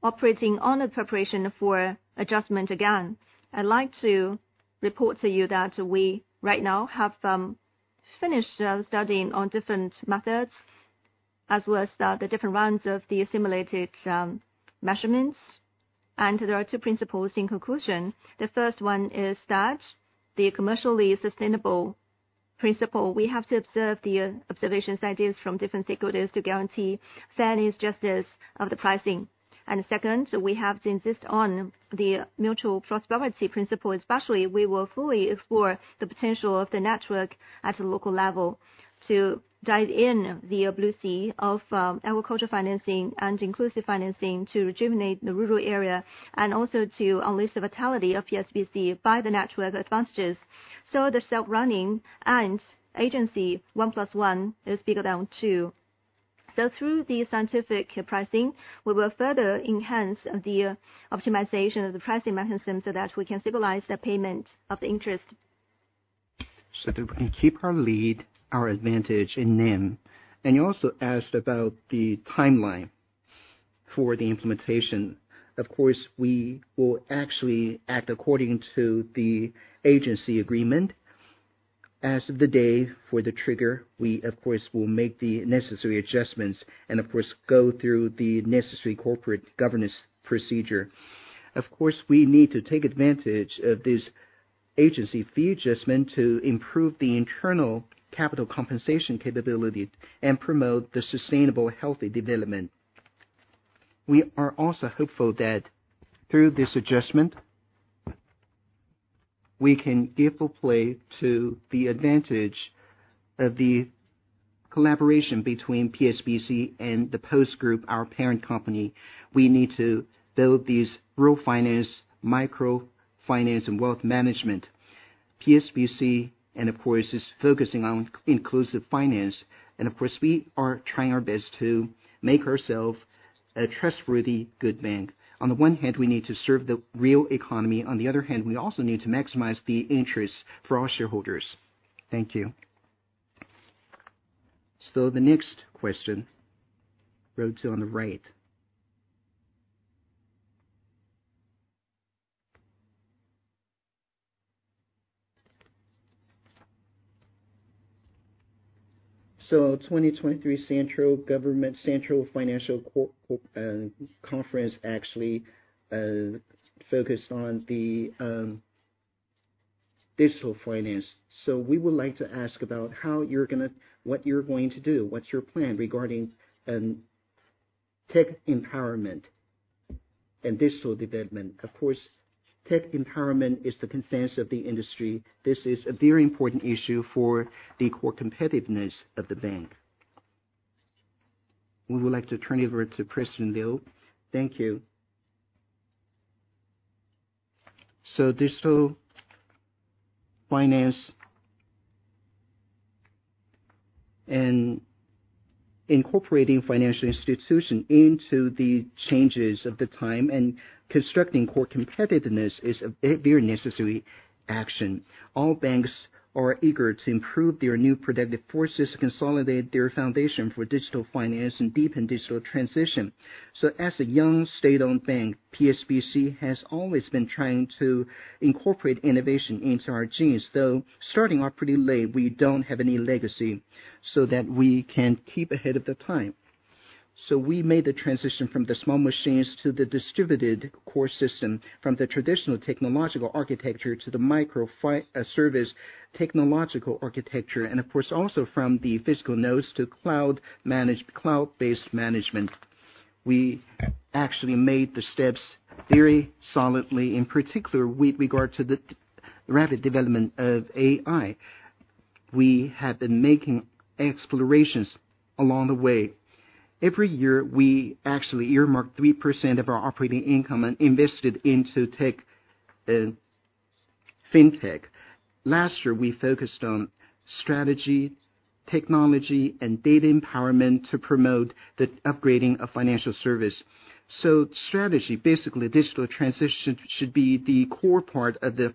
operating on the preparation for adjustment again. I'd like to report to you that we right now have finished studying on different methods as well as the different runs of the simulated measurements. And there are two principles in conclusion. The first one is that the commercially sustainable principle; we have to observe the observations and ideas from different stakeholders to guarantee fairness, justice of the pricing. The second, we have to insist on the mutual prosperity principle, especially we will fully explore the potential of the network at the local level to dive in the blue sea of agriculture financing and inclusive financing to rejuvenate the rural area and also to unleash the vitality of PSBC by the network advantages. The self-running and agency one plus one is bigger than two. Through the scientific pricing, we will further enhance the optimization of the pricing mechanism so that we can stabilize the payment of the interest. That we can keep our lead, our advantage in NIM. You also asked about the timeline for the implementation. Of course, we will actually act according to the agency agreement. As of the day for the trigger, we, of course, will make the necessary adjustments and, of course, go through the necessary corporate governance procedure. Of course, we need to take advantage of this agency fee adjustment to improve the internal capital compensation capability and promote the sustainable, healthy development. We are also hopeful that through this adjustment, we can give full play to the advantage of the collaboration between PSBC and the Post Group, our parent company. We need to build these rural finance, microfinance, and wealth management. PSBC, and of course, is focusing on inclusive finance. And of course, we are trying our best to make ourselves a trustworthy good bank. On the one hand, we need to serve the real economy. On the other hand, we also need to maximize the interest for our shareholders. Thank you. The next question, row 2 on the right. The 2023 Central Financial Work Conference actually focused on the digital finance. We would like to ask about how you're going to, what you're going to do, what's your plan regarding tech empowerment and digital development. Of course, tech empowerment is the consensus of the industry. This is a very important issue for the core competitiveness of the bank. We would like to turn it over to President Liu. Thank you. Digital finance and incorporating financial institutions into the changes of the time and constructing core competitiveness is a very necessary action. All banks are eager to improve their new productive forces, consolidate their foundation for digital finance and deepen digital transition. As a young state-owned bank, PSBC has always been trying to incorporate innovation into our genes. Though starting off pretty late, we don't have any legacy so that we can keep ahead of the time. So we made the transition from the small machines to the distributed core system, from the traditional technological architecture to the microservice technological architecture. And of course, also from the physical nodes to cloud-managed, cloud-based management. We actually made the steps very solidly, in particular with regard to the rapid development of AI. We have been making explorations along the way. Every year, we actually earmarked 3% of our operating income and invested into tech fintech. Last year, we focused on strategy, technology, and data empowerment to promote the upgrading of financial service. So strategy, basically, digital transition should be the core part of the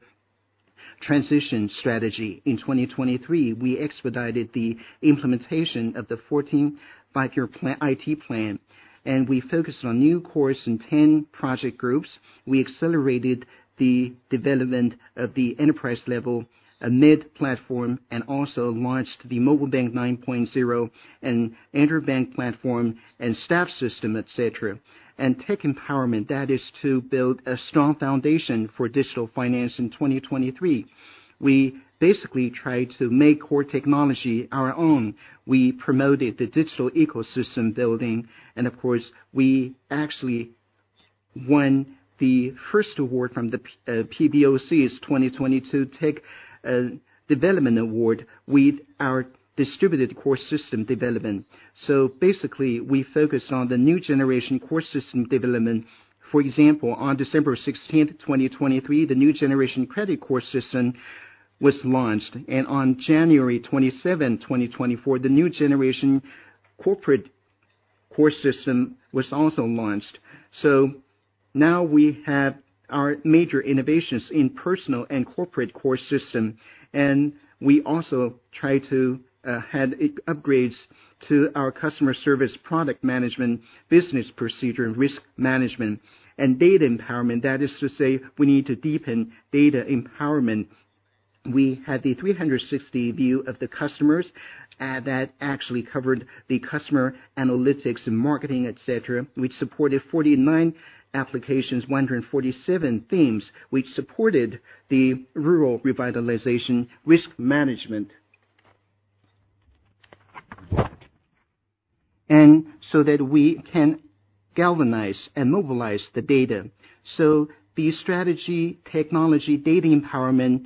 transition strategy. In 2023, we expedited the implementation of the 14th Five-Year Plan IT Plan. And we focused on new cores and 10 project groups. We accelerated the development of the enterprise level mid-platform and also launched the Mobile Banking 9.0 and interbank platform and staff system, etc. Tech empowerment, that is to build a strong foundation for digital finance in 2023. We basically tried to make core technology our own. We promoted the digital ecosystem building. Of course, we actually won the first award from the PBOC's 2022 Tech Development Award with our distributed core system development. Basically, we focused on the new generation core system development. For example, on December 16th, 2023, the new generation credit core system was launched. On January 27th, 2024, the new generation corporate core system was also launched. Now we have our major innovations in personal and corporate core system. We also tried to add upgrades to our customer service product management, business procedure, risk management, and data empowerment. That is to say, we need to deepen data empowerment. We had the 360 view of the customers. That actually covered the customer analytics and marketing, etc., which supported 49 applications, 147 themes, which supported the rural revitalization risk management. So that we can galvanize and mobilize the data. The strategy, technology, data empowerment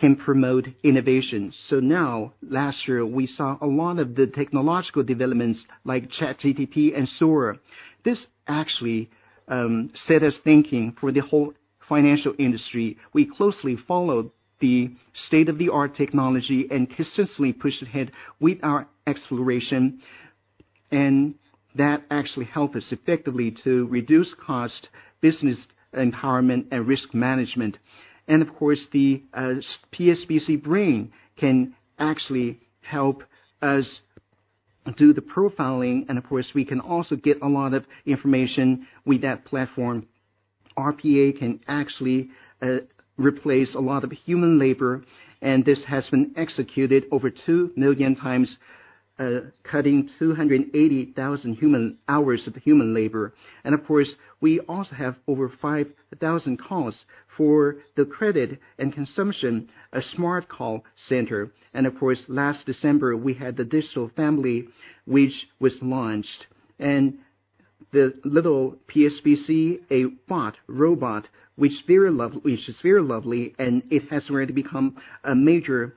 can promote innovation. Now, last year, we saw a lot of the technological developments like ChatGPT and Sora. This actually set us thinking for the whole financial industry. We closely followed the state-of-the-art technology and consistently pushed ahead with our exploration. That actually helped us effectively to reduce cost, business empowerment, and risk management. Of course, the PSBC Brain can actually help us do the profiling. Of course, we can also get a lot of information with that platform. RPA can actually replace a lot of human labor. This has been executed over 2 million times, cutting 280,000 human hours of human labor. Of course, we also have over 5,000 calls for the credit and consumption, a smart call center. Of course, last December, we had the digital family, which was launched. The little PSBC, a bot, robot, which is very lovely, and it has already become a major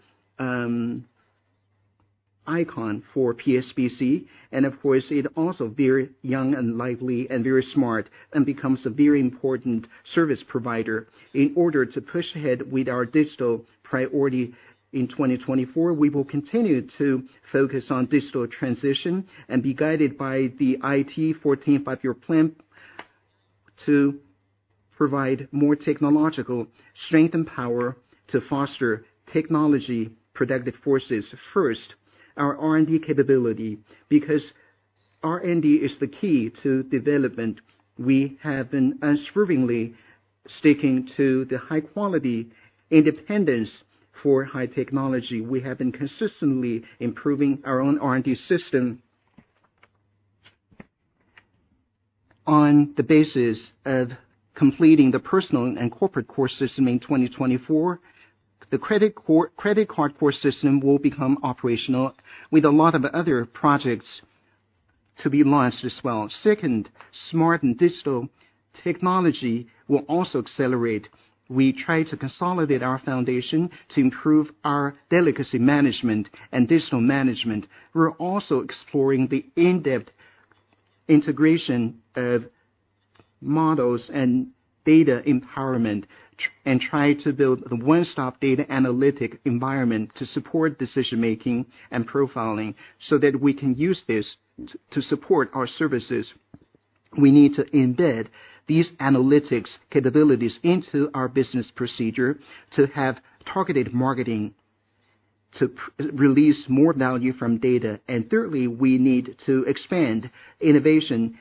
icon for PSBC. Of course, it's also very young and lively and very smart and becomes a very important service provider. In order to push ahead with our digital priority in 2024, we will continue to focus on digital transition and be guided by the IT 14th Five-Year Plan to provide more technological strength and power to foster technology productive forces first, our R&D capability, because R&D is the key to development. We have been unswervingly sticking to the high-quality independence for high technology. We have been consistently improving our own R&D system on the basis of completing the personal and corporate core system in 2024. The credit card core system will become operational with a lot of other projects to be launched as well. Second, smart and digital technology will also accelerate. We try to consolidate our foundation to improve our delicacy management and digital management. We're also exploring the in-depth integration of models and data empowerment and try to build the one-stop data analytic environment to support decision-making and profiling so that we can use this to support our services. We need to embed these analytics capabilities into our business procedure to have targeted marketing to release more value from data. And thirdly, we need to expand innovation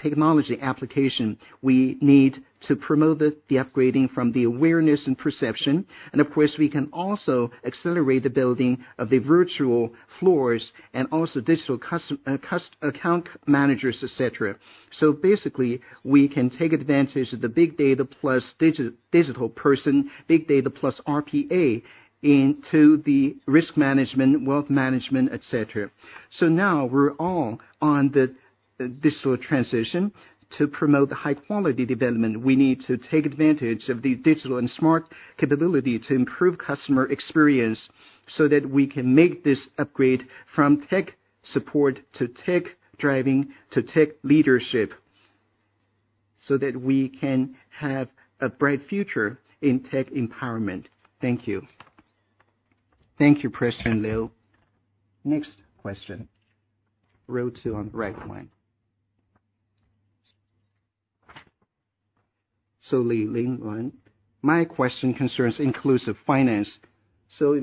technology application. We need to promote the upgrading from the awareness and perception. And of course, we can also accelerate the building of the virtual floors and also digital account managers, etc. So basically, we can take advantage of the big data plus digital person, big data plus RPA into the risk management, wealth management, etc. So now we're all on the digital transition to promote the high-quality development. We need to take advantage of the digital and smart capability to improve customer experience so that we can make this upgrade from tech support to tech driving to tech leadership so that we can have a bright future in tech empowerment. Thank you. Thank you, President Liu. Next question, row two on the right one. So Liu Lingwen, my question concerns inclusive finance. So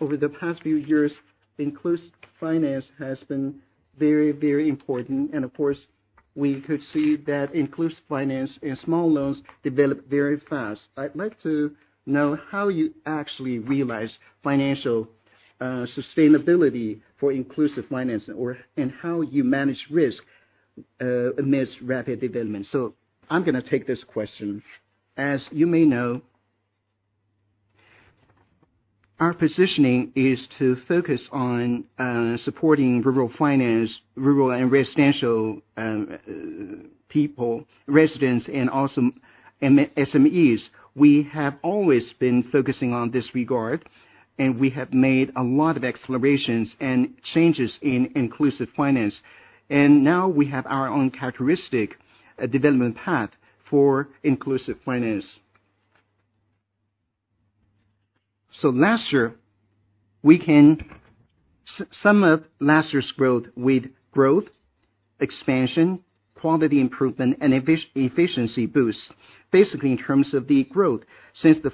over the past few years, inclusive finance has been very, very important. And of course, we could see that inclusive finance and small loans develop very fast. I'd like to know how you actually realize financial sustainability for inclusive finance and how you manage risk amidst rapid development. So I'm going to take this question. As you may know, our positioning is to focus on supporting rural finance, rural and residential people, residents, and also SMEs. We have always been focusing on this regard, and we have made a lot of explorations and changes in inclusive finance. And now we have our own characteristic development path for inclusive finance. So last year, we can sum up last year's growth with growth, expansion, quality improvement, and efficiency boost. Basically, in terms of the growth, since the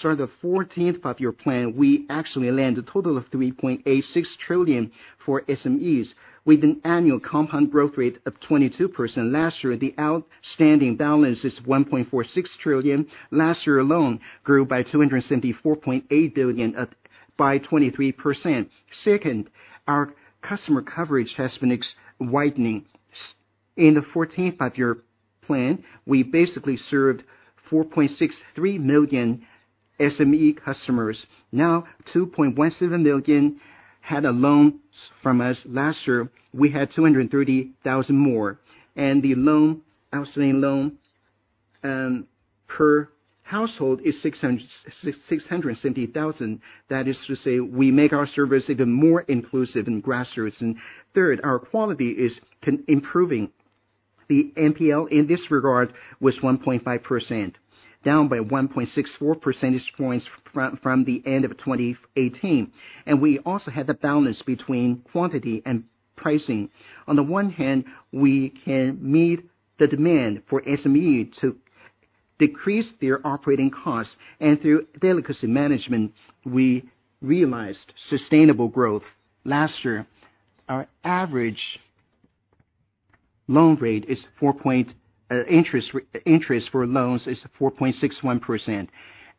start of the 14th five-year plan, we actually land a total of 3.86 trillion for SMEs with an annual compound growth rate of 22%. Last year, the outstanding balance is 1.46 trillion. Last year alone, grew by 274.8 billion by 23%. Second, our customer coverage has been widening. In the 14th five-year plan, we basically served 4.63 million SME customers. Now, 2.17 million had a loan from us last year. We had 230,000 more. The outstanding loan per household is 670,000. That is to say, we make our service even more inclusive and grassroots. Third, our quality is improving. The NPL in this regard was 1.5%, down by 1.64 percentage points from the end of 2018. We also had a balance between quantity and pricing. On the one hand, we can meet the demand for SMEs to decrease their operating costs. Through delicacy management, we realized sustainable growth. Last year, our average loan rate is 4.0%. Interest for loans is 4.61%.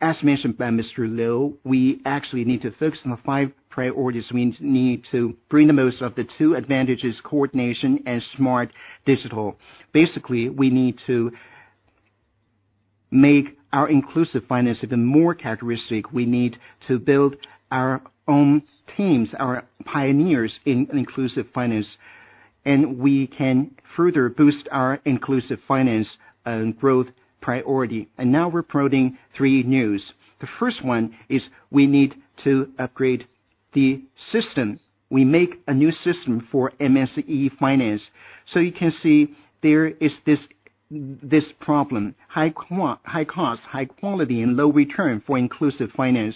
As mentioned by Mr. Liu, we actually need to focus on the five priorities. We need to bring the most of the two advantages: coordination and smart digital. Basically, we need to make our inclusive finance even more characteristic. We need to build our own teams, our pioneers in inclusive finance. We can further boost our inclusive finance and growth priority. Now we're promoting three news. The first one is we need to upgrade the system. We make a new system for SME finance. So you can see there is this problem: high cost, high quality, and low return for inclusive finance.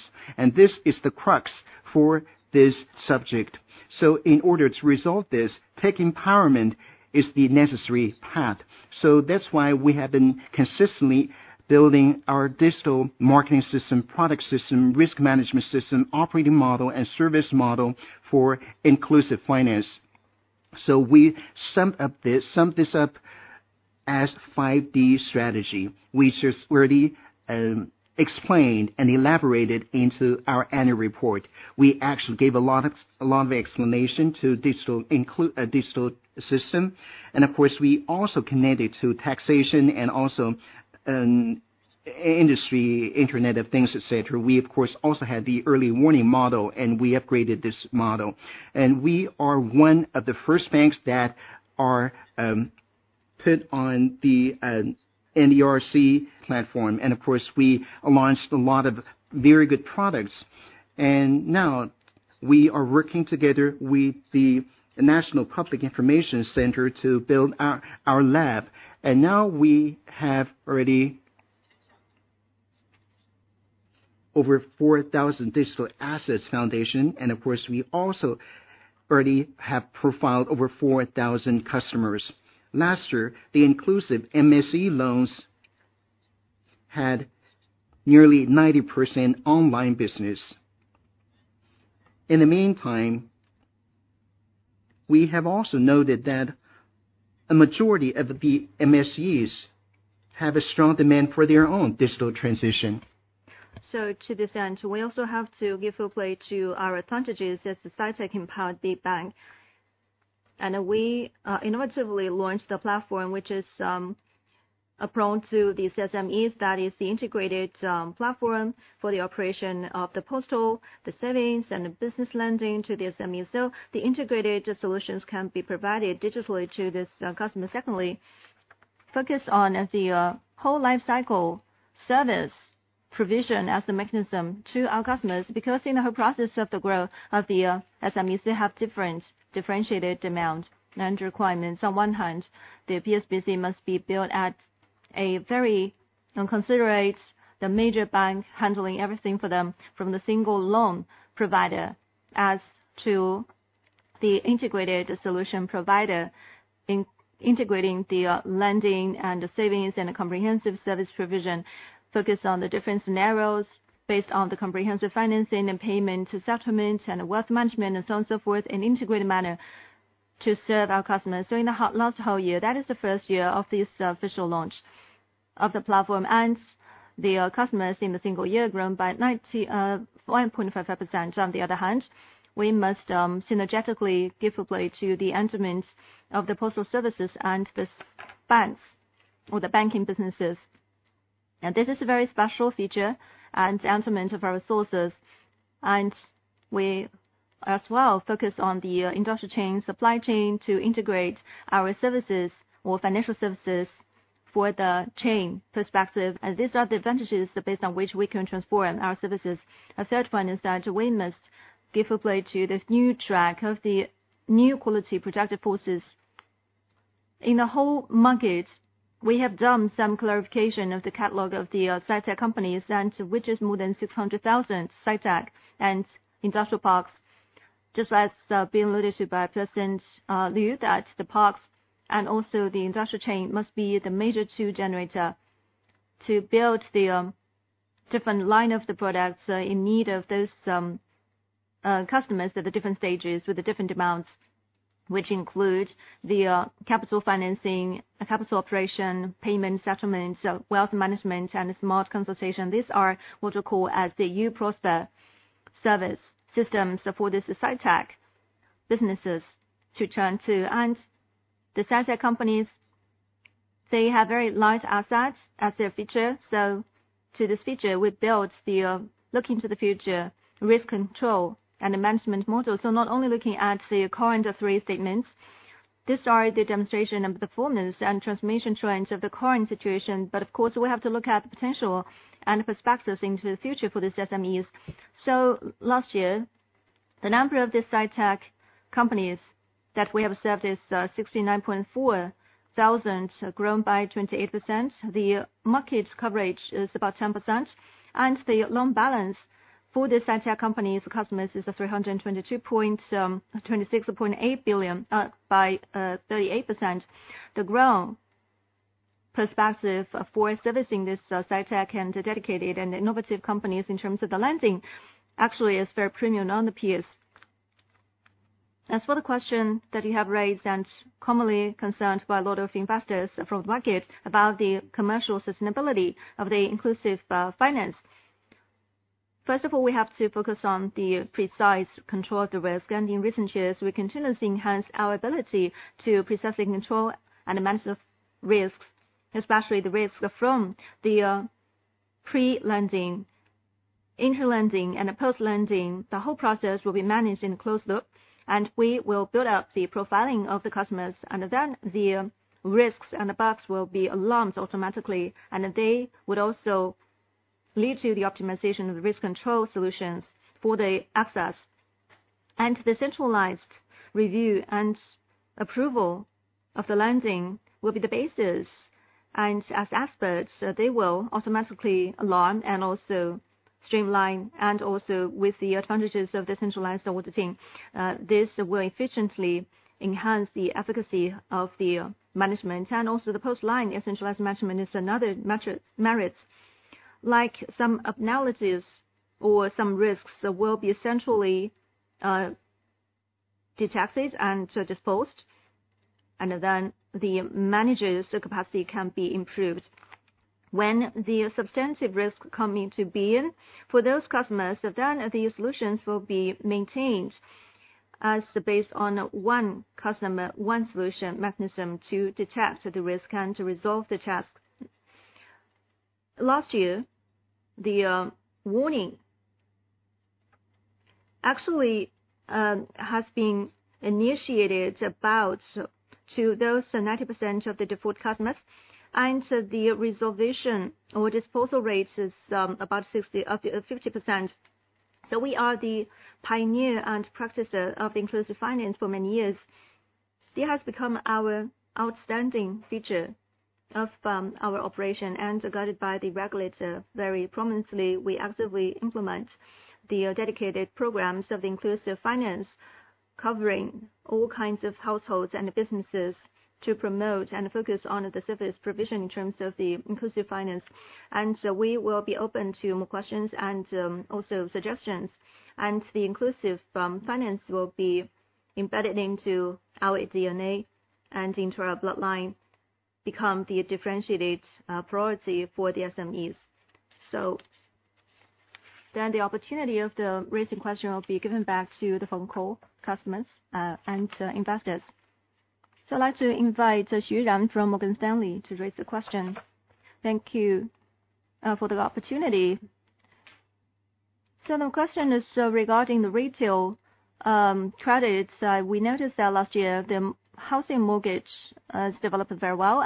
This is the crux for this subject. So in order to resolve this, tech empowerment is the necessary path. That's why we have been consistently building our digital marketing system, product system, risk management system, operating model, and service model for inclusive finance. So we summed this up as 5D Strategy, which is already explained and elaborated into our annual report. We actually gave a lot of explanation to the digital system. Of course, we also connected to taxation and also industry, Internet of Things, etc. We, of course, also had the early warning model, and we upgraded this model. We are one of the first banks that are put on the NDRC platform. Of course, we launched a lot of very good products. Now we are working together with the National Public Information Center to build our lab. Now we have already over 4,000 digital assets foundation. Of course, we also already have profiled over 4,000 customers. Last year, the inclusive MSE loans had nearly 90% online business. In the meantime, we have also noted that a majority of the MSEs have a strong demand for their own digital transition. To this end, we also have to give full play to our advantages as the Sci-Tech Empowered Big Bank. We innovatively launched the platform, which is prone to the SMEs. That is the integrated platform for the operation of the postal, the savings, and the business lending to the SMEs. So the integrated solutions can be provided digitally to this customer. Secondly, focus on the whole lifecycle service provision as a mechanism to our customers because in the whole process of the growth of the SMEs, they have different differentiated demands and requirements. On one hand, the PSBC must be built in a very considerate way to handle everything for them from the single loan provider as to the integrated solution provider, integrating the lending and the savings and a comprehensive service provision focused on the different scenarios based on the comprehensive financing and payment to settlement and wealth management and so on and so forth in an integrated manner to serve our customers. So in the last whole year, that is the first year of this official launch of the platform, the customers in the single year grown by 1.5%. On the other hand, we must synergetically give a play to the adjustments of the postal services and the banks or the banking businesses. This is a very special feature and adjustment of our resources. We as well focus on the industrial chain, supply chain to integrate our services or financial services for the chain perspective. These are the advantages based on which we can transform our services. A third point is that we must give a play to the new track of the new quality productive forces. In the whole market, we have done some clarification of the catalog of the Sci-Tech companies, which is more than 600,000: Sci-Tech and Industrial Parks. Just as being noted by President Liu that the parks and also the industrial chain must be the major two generators to build the different line of the products in need of those customers at the different stages with the different demands, which include the capital financing, capital operation, payment, settlements, wealth management, and smart consultation. These are what we call the U-Prosper service systems for the SciTech businesses to turn to. The SciTech companies, they have very light assets as their feature. To this feature, we built the look into the future risk control and the management model. Not only looking at the current three statements, these are the demonstration and performance and transformation trends of the current situation. But of course, we have to look at the potential and perspectives into the future for the SMEs. Last year, the number of the SciTech companies that we have observed is 69.4 thousand, grown by 28%. The market coverage is about 10%. And the loan balance for the SciTech companies' customers is 326.8 billion by 38%. The growth perspective for servicing this SciTech and dedicated and innovative companies in terms of the lending actually is very promising in the space. As for the question that you have raised and commonly concerned by a lot of investors from the market about the commercial sustainability of the inclusive finance, first of all, we have to focus on the precise control of the risk. In recent years, we continuously enhance our ability to precisely control and manage the risks, especially the risks from the pre-lending, inter-lending, and post-lending. The whole process will be managed in a closed loop. We will build up the profiling of the customers. Then the risks and the bugs will be alarmed automatically. They would also lead to the optimization of the risk control solutions for the access. The centralized review and approval of the lending will be the basis. As experts, they will automatically alarm and also streamline. And also with the advantages of the centralized auditing, this will efficiently enhance the efficacy of the management. And also the post-line centralized management is another merit. Like some analogies or some risks will be centrally detected and disposed. And then the manager's capacity can be improved. When the substantive risk comes into being for those customers, then the solutions will be maintained based on one customer, one solution mechanism to detect the risk and to resolve the task. Last year, the warning actually has been initiated about to those 90% of the default customers. And the reservation or disposal rate is about 50%. So we are the pioneer and practitioner of inclusive finance for many years. It has become our outstanding feature of our operation. Guided by the regulator, very prominently, we actively implement the dedicated programs of the inclusive finance covering all kinds of households and businesses to promote and focus on the service provision in terms of the inclusive finance. We will be open to more questions and also suggestions. The inclusive finance will be embedded into our DNA and into our bloodline, become the differentiated priority for the SMEs. Then the opportunity of the raising question will be given back to the phone call customers and investors. I'd like to invite Jun Xu from Morgan Stanley to raise the question. Thank you for the opportunity. The question is regarding the retail credits. We noticed that last year, the housing mortgage has developed very well.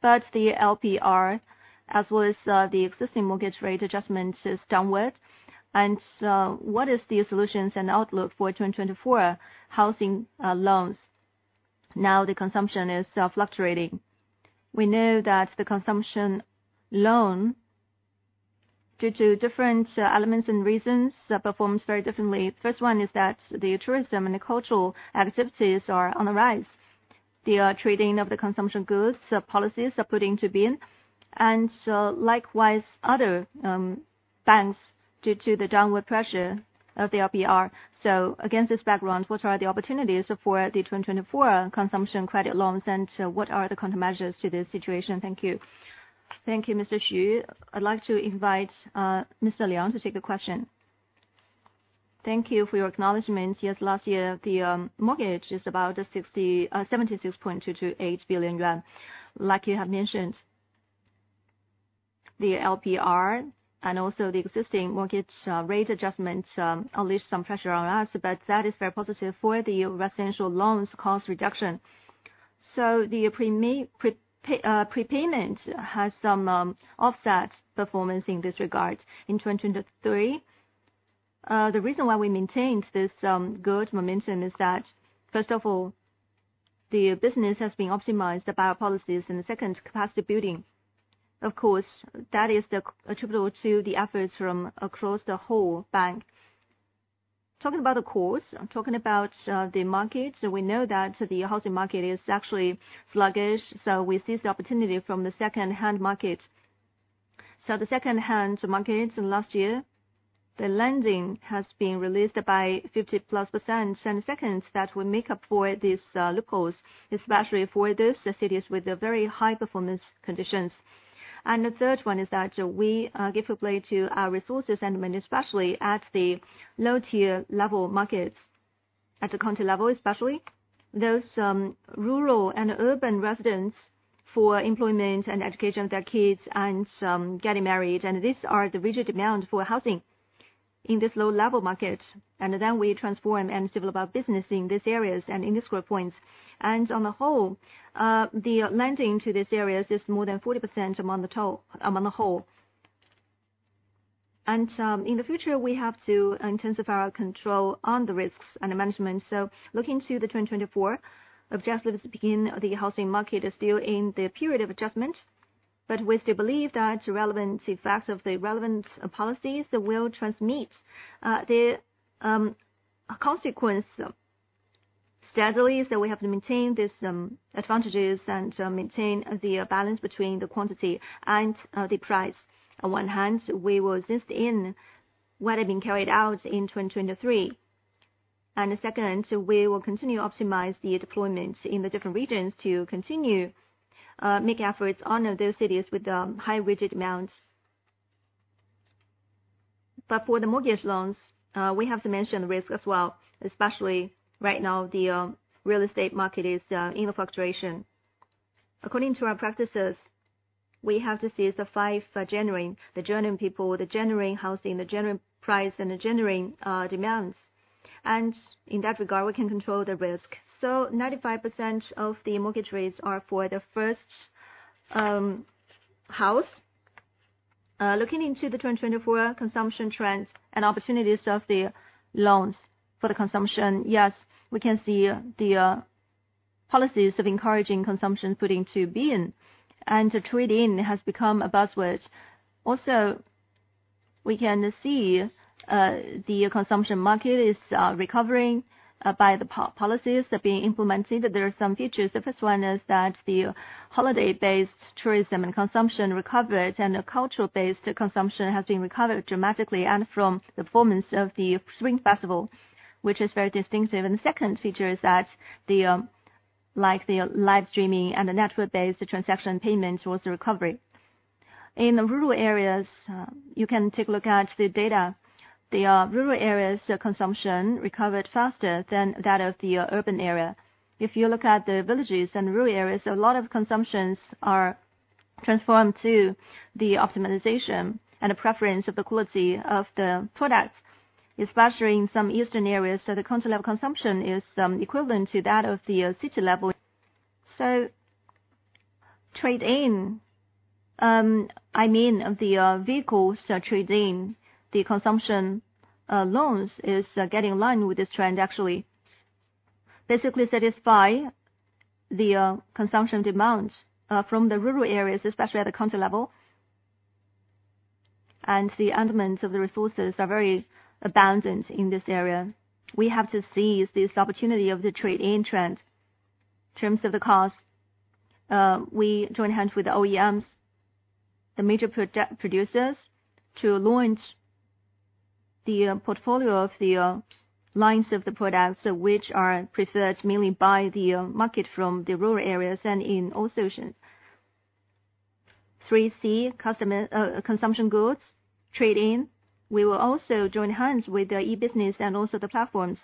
But the LPR, as well as the existing mortgage rate adjustment, is downward. What is the solutions and outlook for 2024 housing loans? Now, the consumption is fluctuating. We know that the consumption loan, due to different elements and reasons, performs very differently. The first one is that the tourism and the cultural activities are on the rise. The trading of the consumption goods policies are put into being. And likewise, other banks, due to the downward pressure of the LPR. So against this background, what are the opportunities for the 2024 consumption credit loans? And what are the countermeasures to this situation? Thank you. Thank you, Mr. Xu. I'd like to invite Mr. Liang to take a question. Thank you for your acknowledgment. Yes, last year, the mortgage is about 76.228 billion yuan. Like you have mentioned, the LPR and also the existing mortgage rate adjustment unleashed some pressure on us. But that is very positive for the residential loans cost reduction. So the prepayment has some offset performance in this regard in 2023. The reason why we maintained this good momentum is that, first of all, the business has been optimized by our policies. And second, capacity building. Of course, that is attributable to the efforts from across the whole bank. Talking about the cost, talking about the market, we know that the housing market is actually sluggish. So we see the opportunity from the second-hand market. So the second-hand market last year, the lending has been released by 50+%. And second, that will make up for these loopholes, especially for those cities with very high performance conditions. The third one is that we give a play to our resources and money, especially at the low-tier level markets, at the county level, especially those rural and urban residents for employment and education, their kids, and getting married. These are the rigid demands for housing in this low-level market. Then we transform and develop our business in these areas and in these growth points. On the whole, the lending to these areas is more than 40% among the whole. In the future, we have to intensify our control on the risks and the management. So looking to the 2024, objectively, to begin, the housing market is still in the period of adjustment. But we still believe that the relevant effects of the relevant policies will transmit the consequence steadily. So we have to maintain these advantages and maintain the balance between the quantity and the price. On one hand, we will invest in what has been carried out in 2023. Second, we will continue to optimize the deployment in the different regions to continue to make efforts on those cities with the high rigid amounts. But for the mortgage loans, we have to mention the risk as well, especially right now, the real estate market is in fluctuation. According to our practices, we have to seize the 5th of January, the January people, the January housing, the January price, and the January demands. And in that regard, we can control the risk. So 95% of the mortgage rates are for the first house. Looking into the 2024 consumption trends and opportunities of the loans for the consumption, yes, we can see the policies of encouraging consumption put into being. Trade-in has become a buzzword. Also, we can see the consumption market is recovering by the policies that are being implemented. There are some features. The first one is that the holiday-based tourism and consumption recovered. The cultural-based consumption has been recovered dramatically, and from the performance of the Spring Festival, which is very distinctive. The second feature is that the live streaming and the network-based transaction payments were also recovered. In rural areas, you can take a look at the data. The rural areas' consumption recovered faster than that of the urban area. If you look at the villages and rural areas, a lot of consumptions are transformed to the optimization and the preference of the quality of the products, especially in some eastern areas. So the county-level consumption is equivalent to that of the city level. So trade-in, I mean, the vehicles trade-in, the consumption loans is getting in line with this trend, actually, basically satisfy the consumption demands from the rural areas, especially at the county level. And the adjustments of the resources are very abundant in this area. We have to seize this opportunity of the trade-in trend in terms of the cost. We join hands with the OEMs, the major producers, to launch the portfolio of the lines of the products, which are preferred mainly by the market from the rural areas and in all sections. 3C, consumption goods, trade-in. We will also join hands with the e-business and also the platforms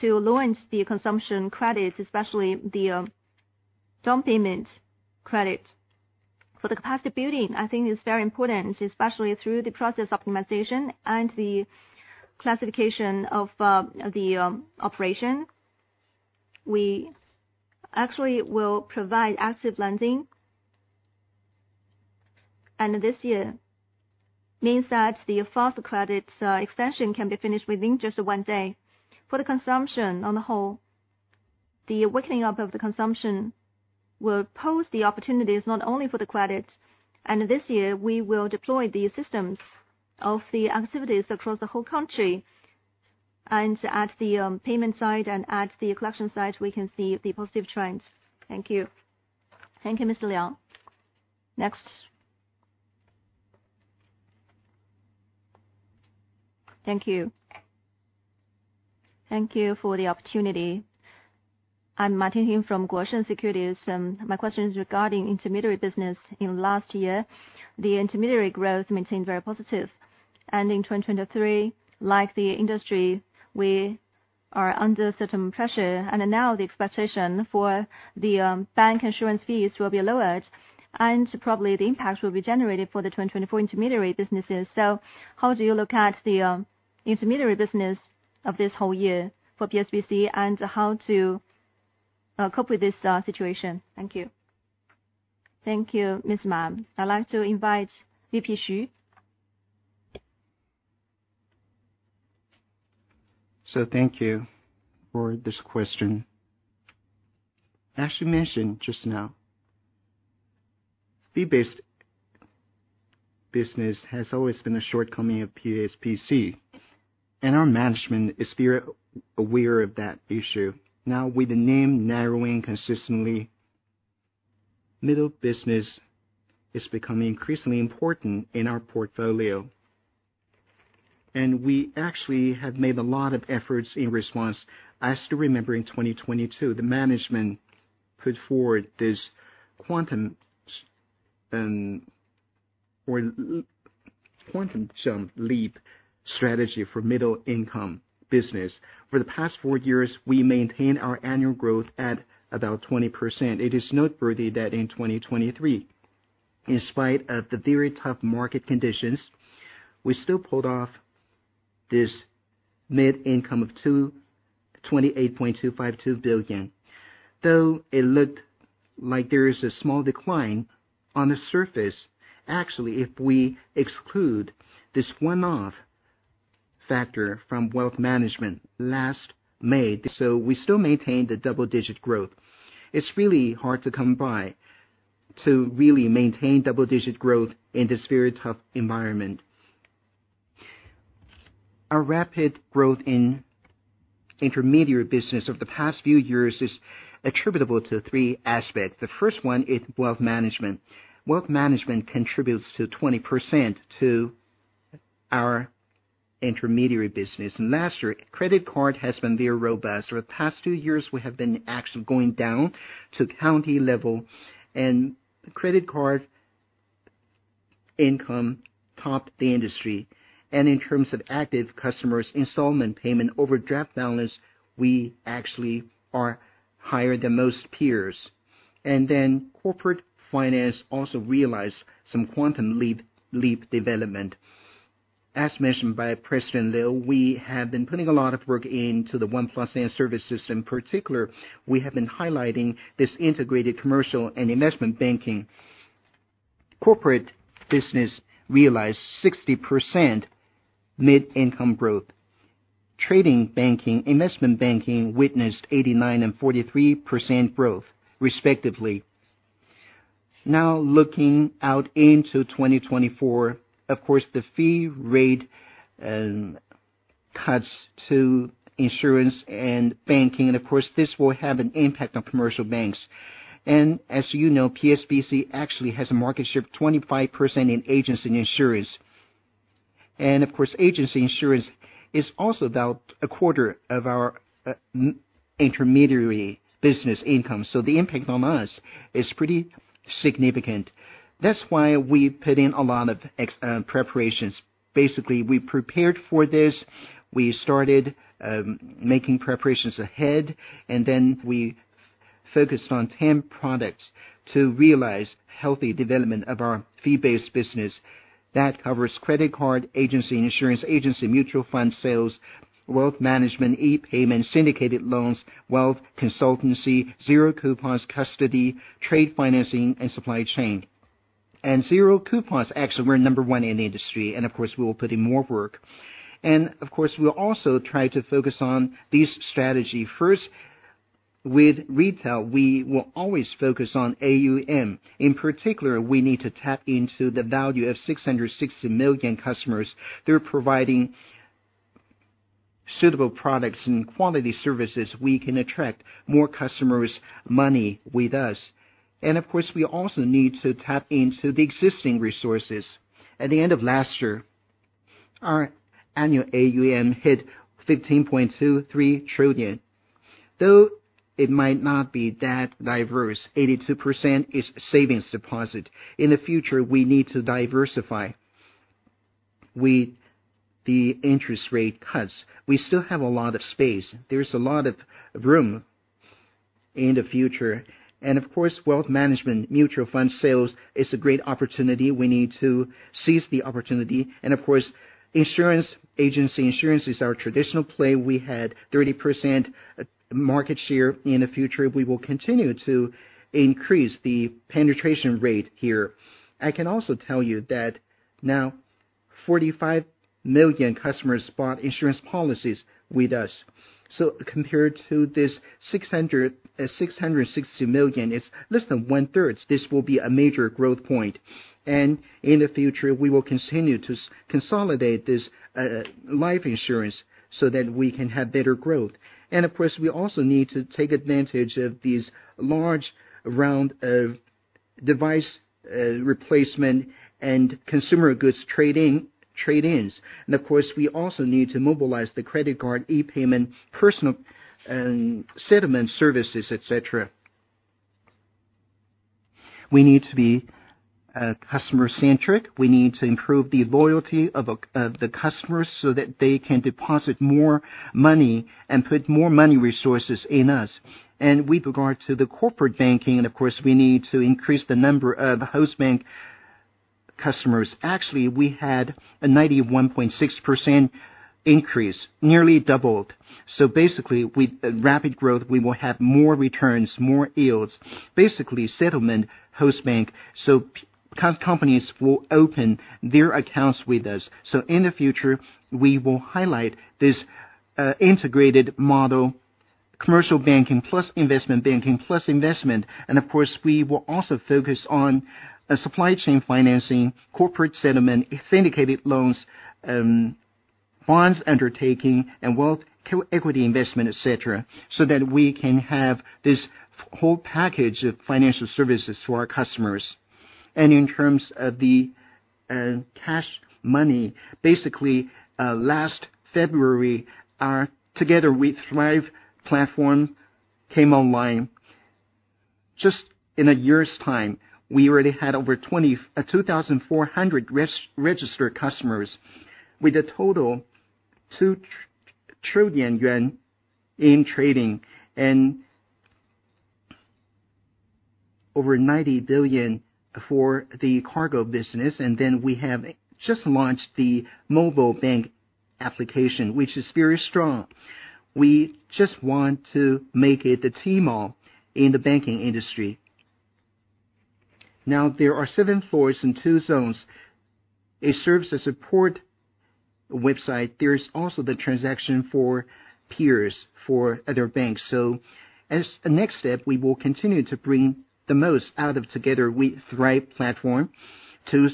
to launch the consumption credits, especially the down payment credit. For the capacity building, I think it's very important, especially through the process optimization and the classification of the operation. We actually will provide active lending. This year means that the FAST credit extension can be finished within just one day. For the consumption on the whole, the awakening up of the consumption will pose the opportunities not only for the credits. This year, we will deploy the systems of the activities across the whole country. At the payment side and at the collection side, we can see the positive trends. Thank you. Thank you, Mr. Liang. Next. Thank you. Thank you for the opportunity. I'm Ma Tingheng from Guosheng Securities. My question is regarding intermediary business. Last year, the intermediary growth maintained very positive. In 2023, like the industry, we are under certain pressure. Now, the expectation for the bancassurance fees will be lowered. Probably, the impact will be generated for the 2024 intermediary businesses. So how do you look at the intermediary business of this whole year for PSBC and how to cope with this situation? Thank you. Thank you, Mr. Ma. I'd like to invite VP Xu. Thank you for this question. As you mentioned just now, fee-based business has always been a shortcoming of PSBC. Our management is aware of that issue. Now, with the NIM narrowing consistently, middle business is becoming increasingly important in our portfolio. We actually have made a lot of efforts in response. I still remember in 2022, the management put forward this quantum leap strategy for middle-income business. For the past four years, we maintain our annual growth at about 20%. It is noteworthy that in 2023, in spite of the very tough market conditions, we still pulled off this net income of 28.252 billion. Though it looked like there is a small decline on the surface, actually, if we exclude this one-off factor from wealth management last May. So we still maintain the double-digit growth. It's really hard to come by to really maintain double-digit growth in this very tough environment. Our rapid growth in intermediary business over the past few years is attributable to three aspects. The first one is wealth management. Wealth management contributes to 20% to our intermediary business. And last year, credit card has been very robust. Over the past few years, we have been actually going down to county level. And credit card income topped the industry. In terms of active customers' installment payment over draft balance, we actually are higher than most peers. Then corporate finance also realized some quantum leap development. As mentioned by President Liu, we have been putting a lot of work into the OnePlus and service system. In particular, we have been highlighting this integrated commercial and investment banking. Corporate business realized 60% mid-income growth. Trading banking, investment banking witnessed 89% and 43% growth, respectively. Now, looking out into 2024, of course, the fee rate cuts to insurance and banking. Of course, this will have an impact on commercial banks. As you know, PSBC actually has a market share of 25% in agency insurance. Of course, agency insurance is also about a quarter of our intermediary business income. So the impact on us is pretty significant. That's why we put in a lot of preparations. Basically, we prepared for this. We started making preparations ahead. And then we focused on 10 products to realize healthy development of our fee-based business. That covers credit card, agency insurance, agency mutual fund sales, wealth management, e-payment, syndicated loans, wealth consultancy, zero coupons, custody, trade financing, and supply chain. And zero coupons actually were number one in the industry. And of course, we will put in more work. And of course, we'll also try to focus on this strategy. First, with retail, we will always focus on AUM. In particular, we need to tap into the value of 660 million customers. Through providing suitable products and quality services, we can attract more customers' money with us. And of course, we also need to tap into the existing resources. At the end of last year, our annual AUM hit 15.23 trillion. Though it might not be that diverse, 82% is savings deposit. In the future, we need to diversify with the interest rate cuts. We still have a lot of space. There's a lot of room in the future. And of course, wealth management, mutual fund sales is a great opportunity. We need to seize the opportunity. And of course, insurance agency insurance is our traditional play. We had 30% market share. In the future, we will continue to increase the penetration rate here. I can also tell you that now, 45 million customers bought insurance policies with us. So compared to this 660 million, it's less than one-third. This will be a major growth point. And in the future, we will continue to consolidate this life insurance so that we can have better growth. And of course, we also need to take advantage of these large rounds of device replacement and consumer goods trade-ins. And of course, we also need to mobilize the credit card, e-payment, personal settlement services, etc. We need to be customer-centric. We need to improve the loyalty of the customers so that they can deposit more money and put more money resources in us. And with regard to the corporate banking, and of course, we need to increase the number of host bank customers. Actually, we had a 91.6% increase, nearly doubled. So basically, with rapid growth, we will have more returns, more yields, basically settlement host bank. So companies will open their accounts with us. So in the future, we will highlight this integrated model, commercial banking plus investment banking plus investment. Of course, we will also focus on supply chain financing, corporate settlement, syndicated loans, bonds undertaking, and wealth equity investment, etc., so that we can have this whole package of financial services to our customers. In terms of the cash money, basically, last February, our Together We Thrive platform came online. Just in a year's time, we already had over 2,400 registered customers with a total of 2 trillion yuan in trading and over 90 billion for the cargo business. Then we have just launched the mobile bank application, which is very strong. We just want to make it the Tmall in the banking industry. Now, there are seven floors and two zones. It serves as a port website. There's also the transaction for peers for other banks. So as a next step, we will continue to bring the most out of Together We Thrive platform to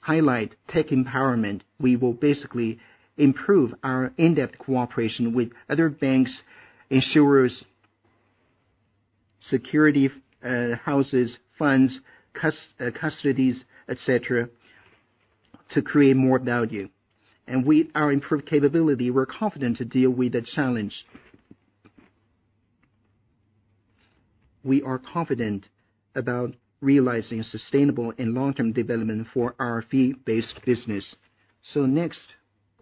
highlight tech empowerment. We will basically improve our in-depth cooperation with other banks, insurers, securities houses, funds, custodians, etc., to create more value. And with our improved capability, we're confident to deal with that challenge. We are confident about realizing sustainable and long-term development for our fee-based business. So next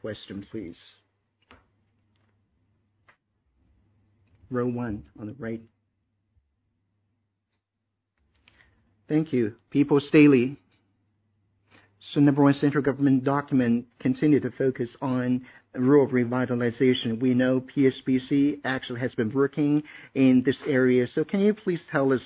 question, please. Row one on the right. Thank you, People's Daily. So number one, central government document continue to focus on rural revitalization. We know PSBC actually has been working in this area. So can you please tell us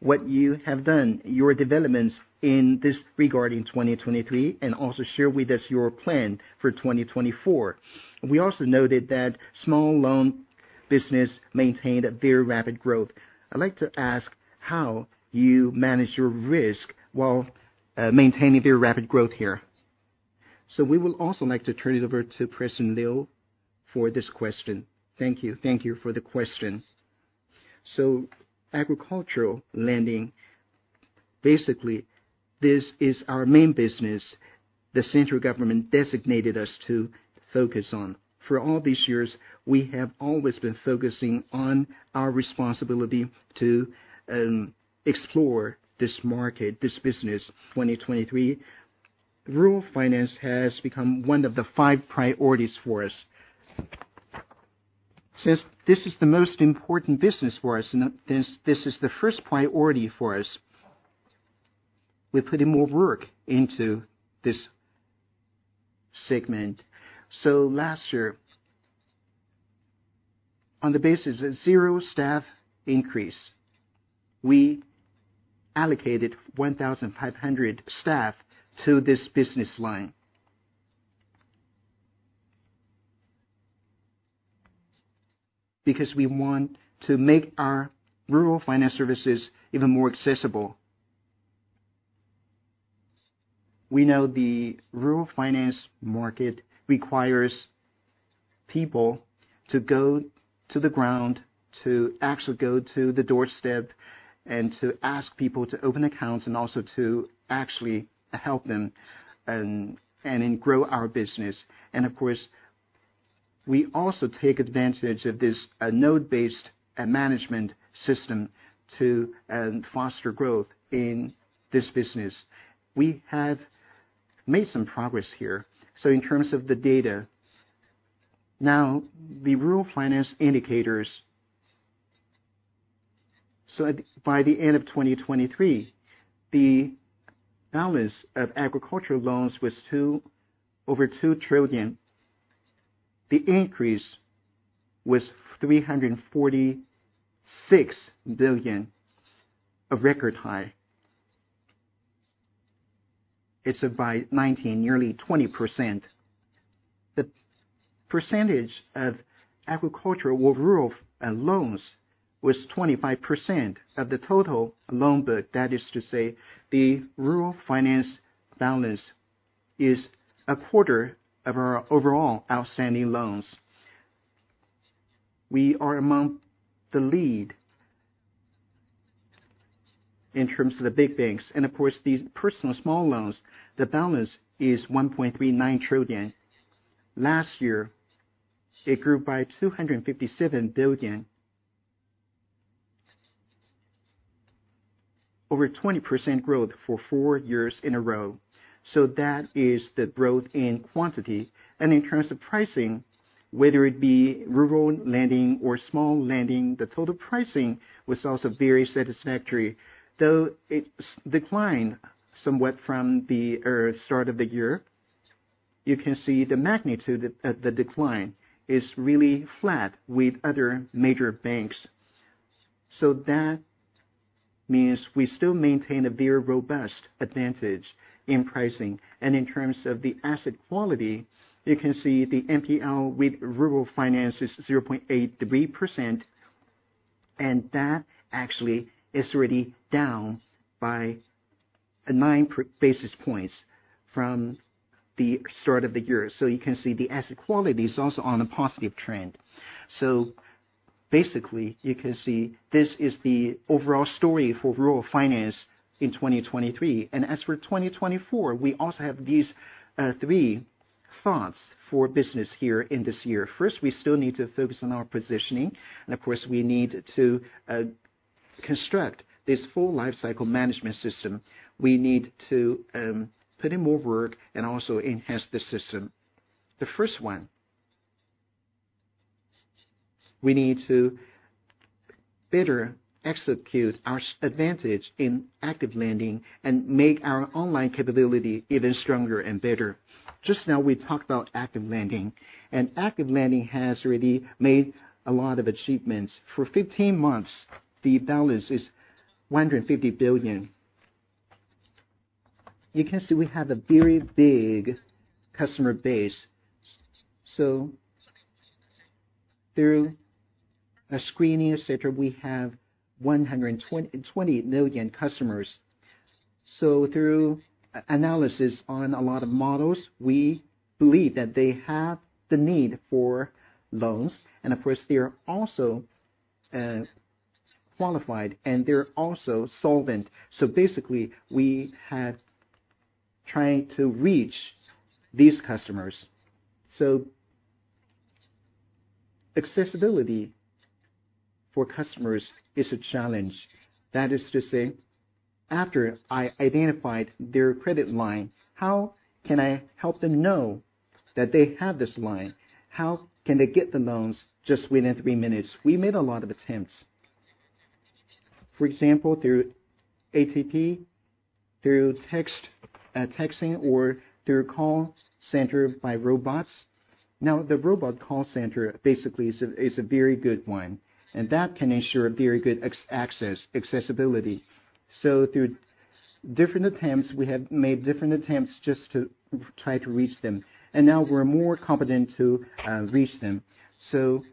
what you have done, your developments in this regard in 2023, and also share with us your plan for 2024? We also noted that small loan business maintained a very rapid growth. I'd like to ask how you manage your risk while maintaining very rapid growth here. We will also like to turn it over to President Liu for this question. Thank you. Thank you for the question. Agricultural lending, basically, this is our main business the central government designated us to focus on. For all these years, we have always been focusing on our responsibility to explore this market, this business. 2023, rural finance has become one of the five priorities for us. Since this is the most important business for us, and this is the first priority for us, we put in more work into this segment. Last year, on the basis of zero staff increase, we allocated 1,500 staff to this business line because we want to make our rural finance services even more accessible. We know the rural finance market requires people to go to the ground, to actually go to the doorstep, and to ask people to open accounts and also to actually help them and grow our business. And of course, we also take advantage of this node-based management system to foster growth in this business. We have made some progress here. So in terms of the data, now the rural finance indicators... So by the end of 2023, the balance of agricultural loans was over 2 trillion. The increase was 346 billion, a record high. It's by 19%, nearly 20%. The percentage of agricultural or rural loans was 25% of the total loan book. That is to say, the rural finance balance is a quarter of our overall outstanding loans. We are among the lead in terms of the big banks. Of course, these personal small loans, the balance is 1.39 trillion. Last year, it grew by 257 billion, over 20% growth for four years in a row. So that is the growth in quantity. And in terms of pricing, whether it be rural lending or small lending, the total pricing was also very satisfactory. Though it declined somewhat from the start of the year, you can see the magnitude of the decline is really flat with other major banks. So that means we still maintain a very robust advantage in pricing. And in terms of the asset quality, you can see the NPL with rural finance is 0.83%, and that actually is already down by nine basis points from the start of the year. So you can see the asset quality is also on a positive trend. So basically, you can see this is the overall story for rural finance in 2023. And as for 2024, we also have these three thoughts for business here in this year. First, we still need to focus on our positioning. And of course, we need to construct this full lifecycle management system. We need to put in more work and also enhance the system. The first one, we need to better execute our advantage in active lending and make our online capability even stronger and better. Just now, we talked about active lending. And active lending has already made a lot of achievements. For 15 months, the balance is 150 billion. You can see we have a very big customer base. So through a screening, etc., we have 120 million customers. So through analysis on a lot of models, we believe that they have the need for loans. And of course, they are also qualified and they're also solvent. So basically, we have tried to reach these customers. So accessibility for customers is a challenge. That is to say, after I identified their credit line, how can I help them know that they have this line? How can they get the loans just within three minutes? We made a lot of attempts. For example, through ATP, through texting or through call center by robots. Now, the robot call center basically is a very good one, and that can ensure very good access, accessibility. So through different attempts, we have made different attempts just to try to reach them, and now we're more competent to reach them. So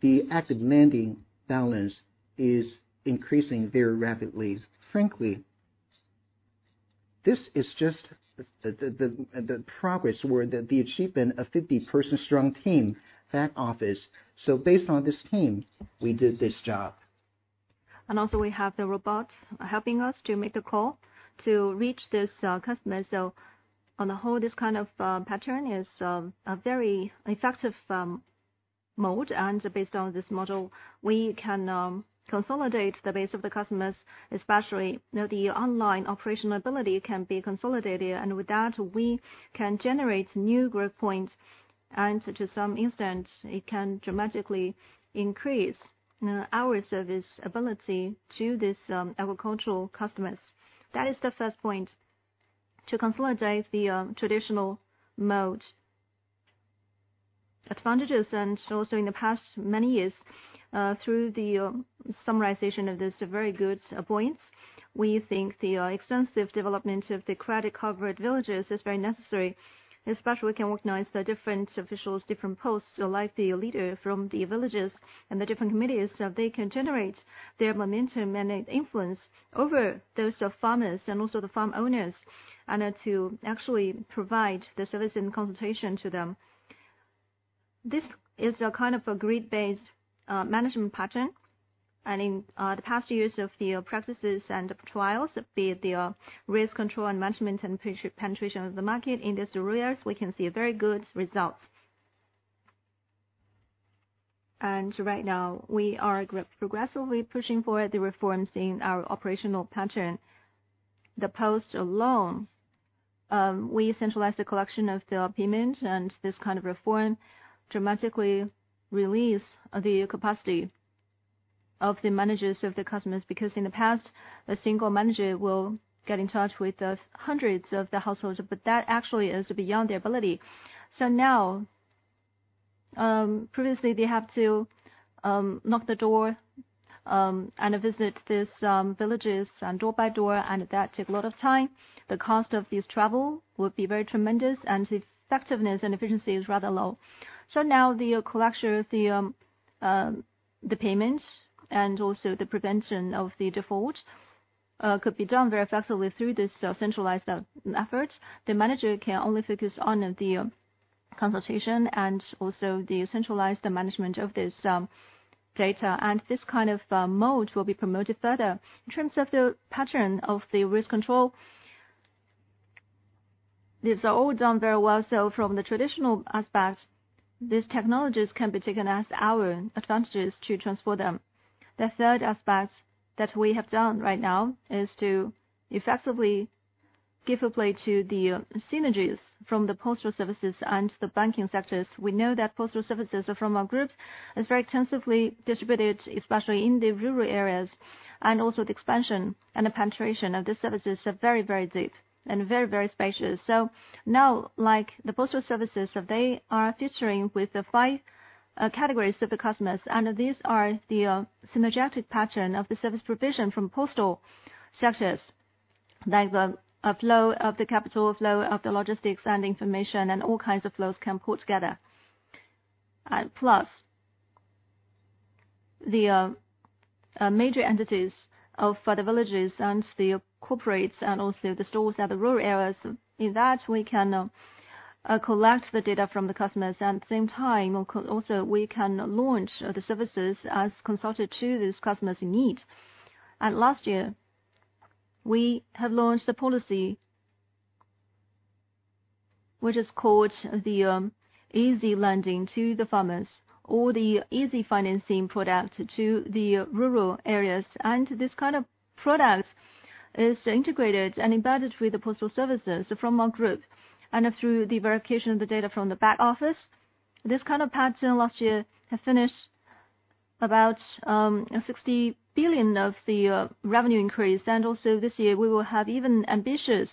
the active lending balance is increasing very rapidly. Frankly, this is just the progress or the achievement of a 50-person strong team back office. So based on this team, we did this job. And also we have the robots helping us to make the call to reach this customer. So on the whole, this kind of pattern is a very effective mode. And based on this model, we can consolidate the base of the customers, especially the online operational ability can be consolidated. And with that, we can generate new growth points. And to some instance, it can dramatically increase our service ability to these agricultural customers. That is the first point: to consolidate the traditional mode. Advantages. And also in the past many years, through the summarization of these very good points, we think the extensive development of the credit covered villages is very necessary, especially we can organize the different officials, different posts like the leader from the villages and the different committees. They can generate their momentum and influence over those farmers and also the farm owners and to actually provide the service and consultation to them. This is a kind of a grid-based management pattern. In the past years of the practices and trials, be it the risk control and management and penetration of the market in these areas, we can see very good results. Right now, we are progressively pushing forward the reforms in our operational pattern. The post alone, we centralize the collection of the payment, and this kind of reform dramatically releases the capacity of the managers of the customers because in the past, a single manager will get in touch with hundreds of the households, but that actually is beyond their ability. So now, previously, they have to knock the door and visit these villages door by door, and that takes a lot of time. The cost of this travel would be very tremendous, and the effectiveness and efficiency is rather low. Now, the collection of the payment and also the prevention of the default could be done very effectively through this centralized effort. The manager can only focus on the consultation and also the centralized management of this data. This kind of mode will be promoted further. In terms of the pattern of the risk control, these are all done very well. From the traditional aspect, these technologies can be taken as our advantages to transform them. The third aspect that we have done right now is to effectively give a play to the synergies from the postal services and the banking sectors. We know that postal services are from our groups. It's very extensively distributed, especially in the rural areas. Also, the expansion and the penetration of these services are very, very deep and very, very spacious. So now, like the postal services, they are featuring with the five categories of the customers. And these are the synergetic pattern of the service provision from postal sectors, like the flow of the capital, flow of the logistics and information, and all kinds of flows can pull together. Plus, the major entities of the villages and the corporates and also the stores at the rural areas, in that we can collect the data from the customers. And at the same time, also we can launch the services as consulted to these customers in need. And last year, we have launched a policy which is called the easy lending to the farmers or the easy financing product to the rural areas. This kind of product is integrated and embedded with the postal services from our group. Through the verification of the data from the back office, this kind of pattern last year had finished about 60 billion of the revenue increase. Also this year, we will have even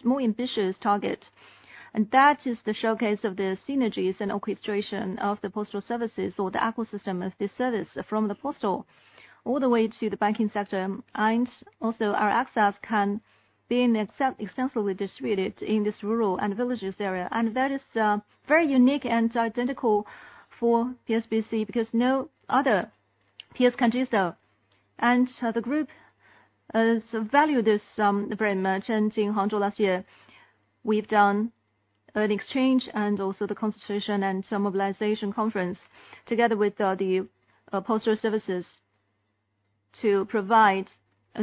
more ambitious targets. That is the showcase of the synergies and orchestration of the postal services or the ecosystem of this service from the postal all the way to the banking sector. Also our access can be extensively distributed in this rural and villages area. That is very unique and identical for PSBC because no other PS country is there. The group value this very much. In Hangzhou last year, we've done an exchange and also the consultation and mobilization conference together with the postal services to provide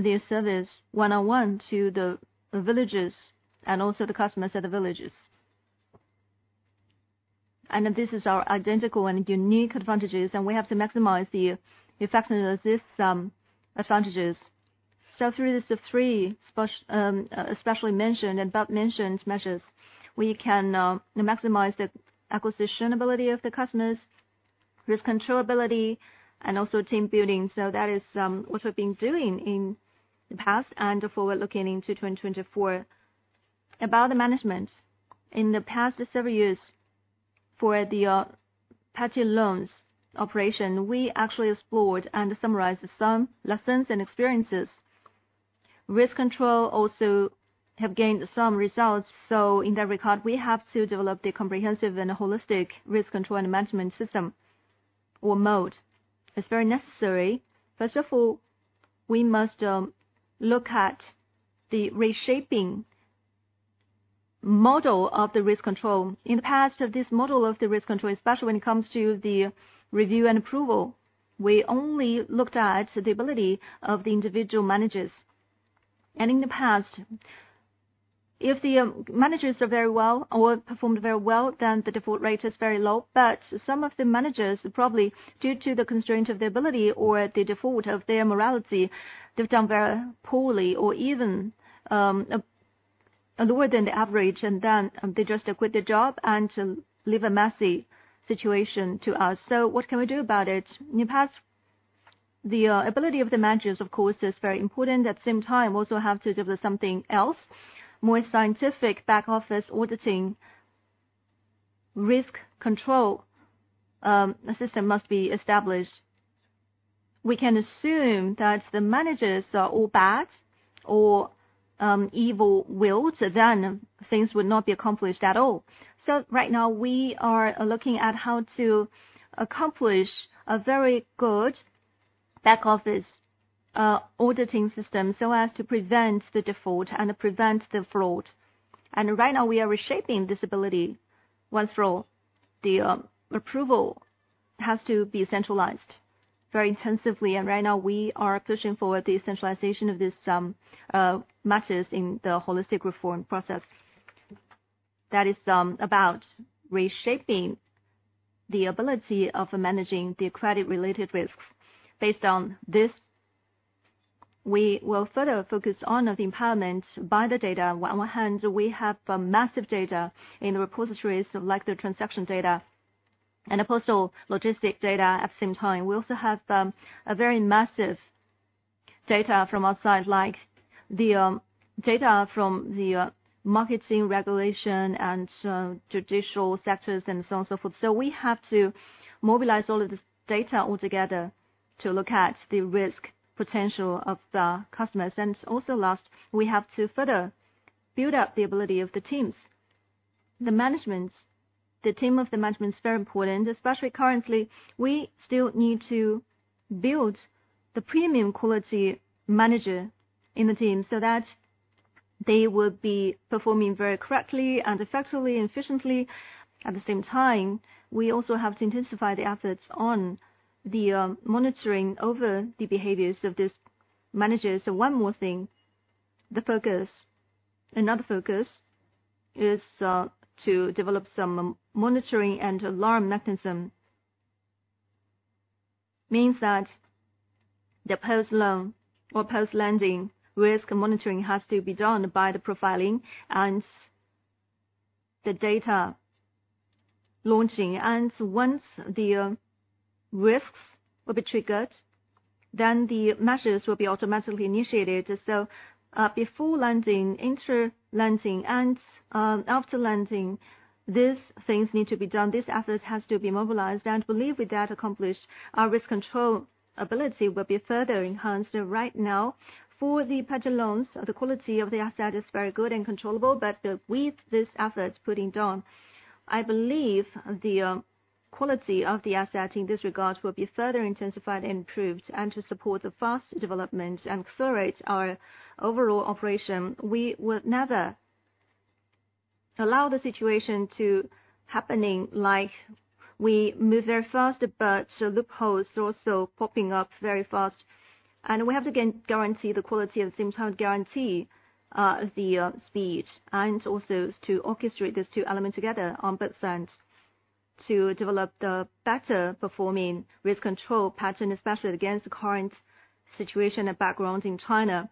this service one-on-one to the villages and also the customers at the villages. This is our identical and unique advantages. We have to maximize the effectiveness of these advantages. So through these three especially mentioned and above-mentioned measures, we can maximize the acquisition ability of the customers, risk control ability, and also team building. That is what we've been doing in the past and forward-looking into 2024. About the management, in the past several years for the patchy loans operation, we actually explored and summarized some lessons and experiences. Risk control also has gained some results. In that regard, we have to develop the comprehensive and holistic risk control and management system or mode. It's very necessary. First of all, we must look at the reshaping model of the risk control. In the past, this model of the risk control, especially when it comes to the review and approval, we only looked at the ability of the individual managers. In the past, if the managers are very well or performed very well, then the default rate is very low. Some of the managers, probably due to the constraint of their ability or the default of their morality, they've done very poorly or even lower than the average. They just quit the job and leave a messy situation to us. What can we do about it? In the past, the ability of the managers, of course, is very important. At the same time, we also have to develop something else, more scientific back office auditing risk control system must be established. We can assume that the managers are all bad or evil-willed, then things would not be accomplished at all. So right now, we are looking at how to accomplish a very good back office auditing system so as to prevent the default and prevent the fraud. And right now, we are reshaping this ability. Once more, the approval has to be centralized very intensively. And right now, we are pushing forward the centralization of these matters in the holistic reform process. That is about reshaping the ability of managing the credit-related risks based on this. We will further focus on the empowerment by the data. On one hand, we have massive data in the repositories like the transaction data and the postal logistic data. At the same time, we also have very massive data from outside, like the data from the marketing, regulation, and judicial sectors, and so on and so forth. So we have to mobilize all of this data altogether to look at the risk potential of the customers. And also last, we have to further build up the ability of the teams. The team of the management is very important, especially currently. We still need to build the premium quality manager in the team so that they would be performing very correctly and effectively and efficiently. At the same time, we also have to intensify the efforts on the monitoring over the behaviors of these managers. So one more thing, another focus is to develop some monitoring and alarm mechanism. It means that the post-loan or post-lending risk monitoring has to be done by the profiling and the data launching. Once the risks will be triggered, then the measures will be automatically initiated. Before landing, inter-landing, and after landing, these things need to be done. This effort has to be mobilized. I believe with that accomplished, our risk control ability will be further enhanced. Right now, for the patchy loans, the quality of the asset is very good and controllable. But with this effort putting down, I believe the quality of the asset in this regard will be further intensified and improved and to support the fast development and accelerate our overall operation. We would never allow the situation to happen like we move very fast, but loopholes are also popping up very fast. We have to guarantee the quality and at the same time guarantee the speed. And also to orchestrate these two elements together on both sides to develop the better performing risk control pattern, especially against the current situation and background in China.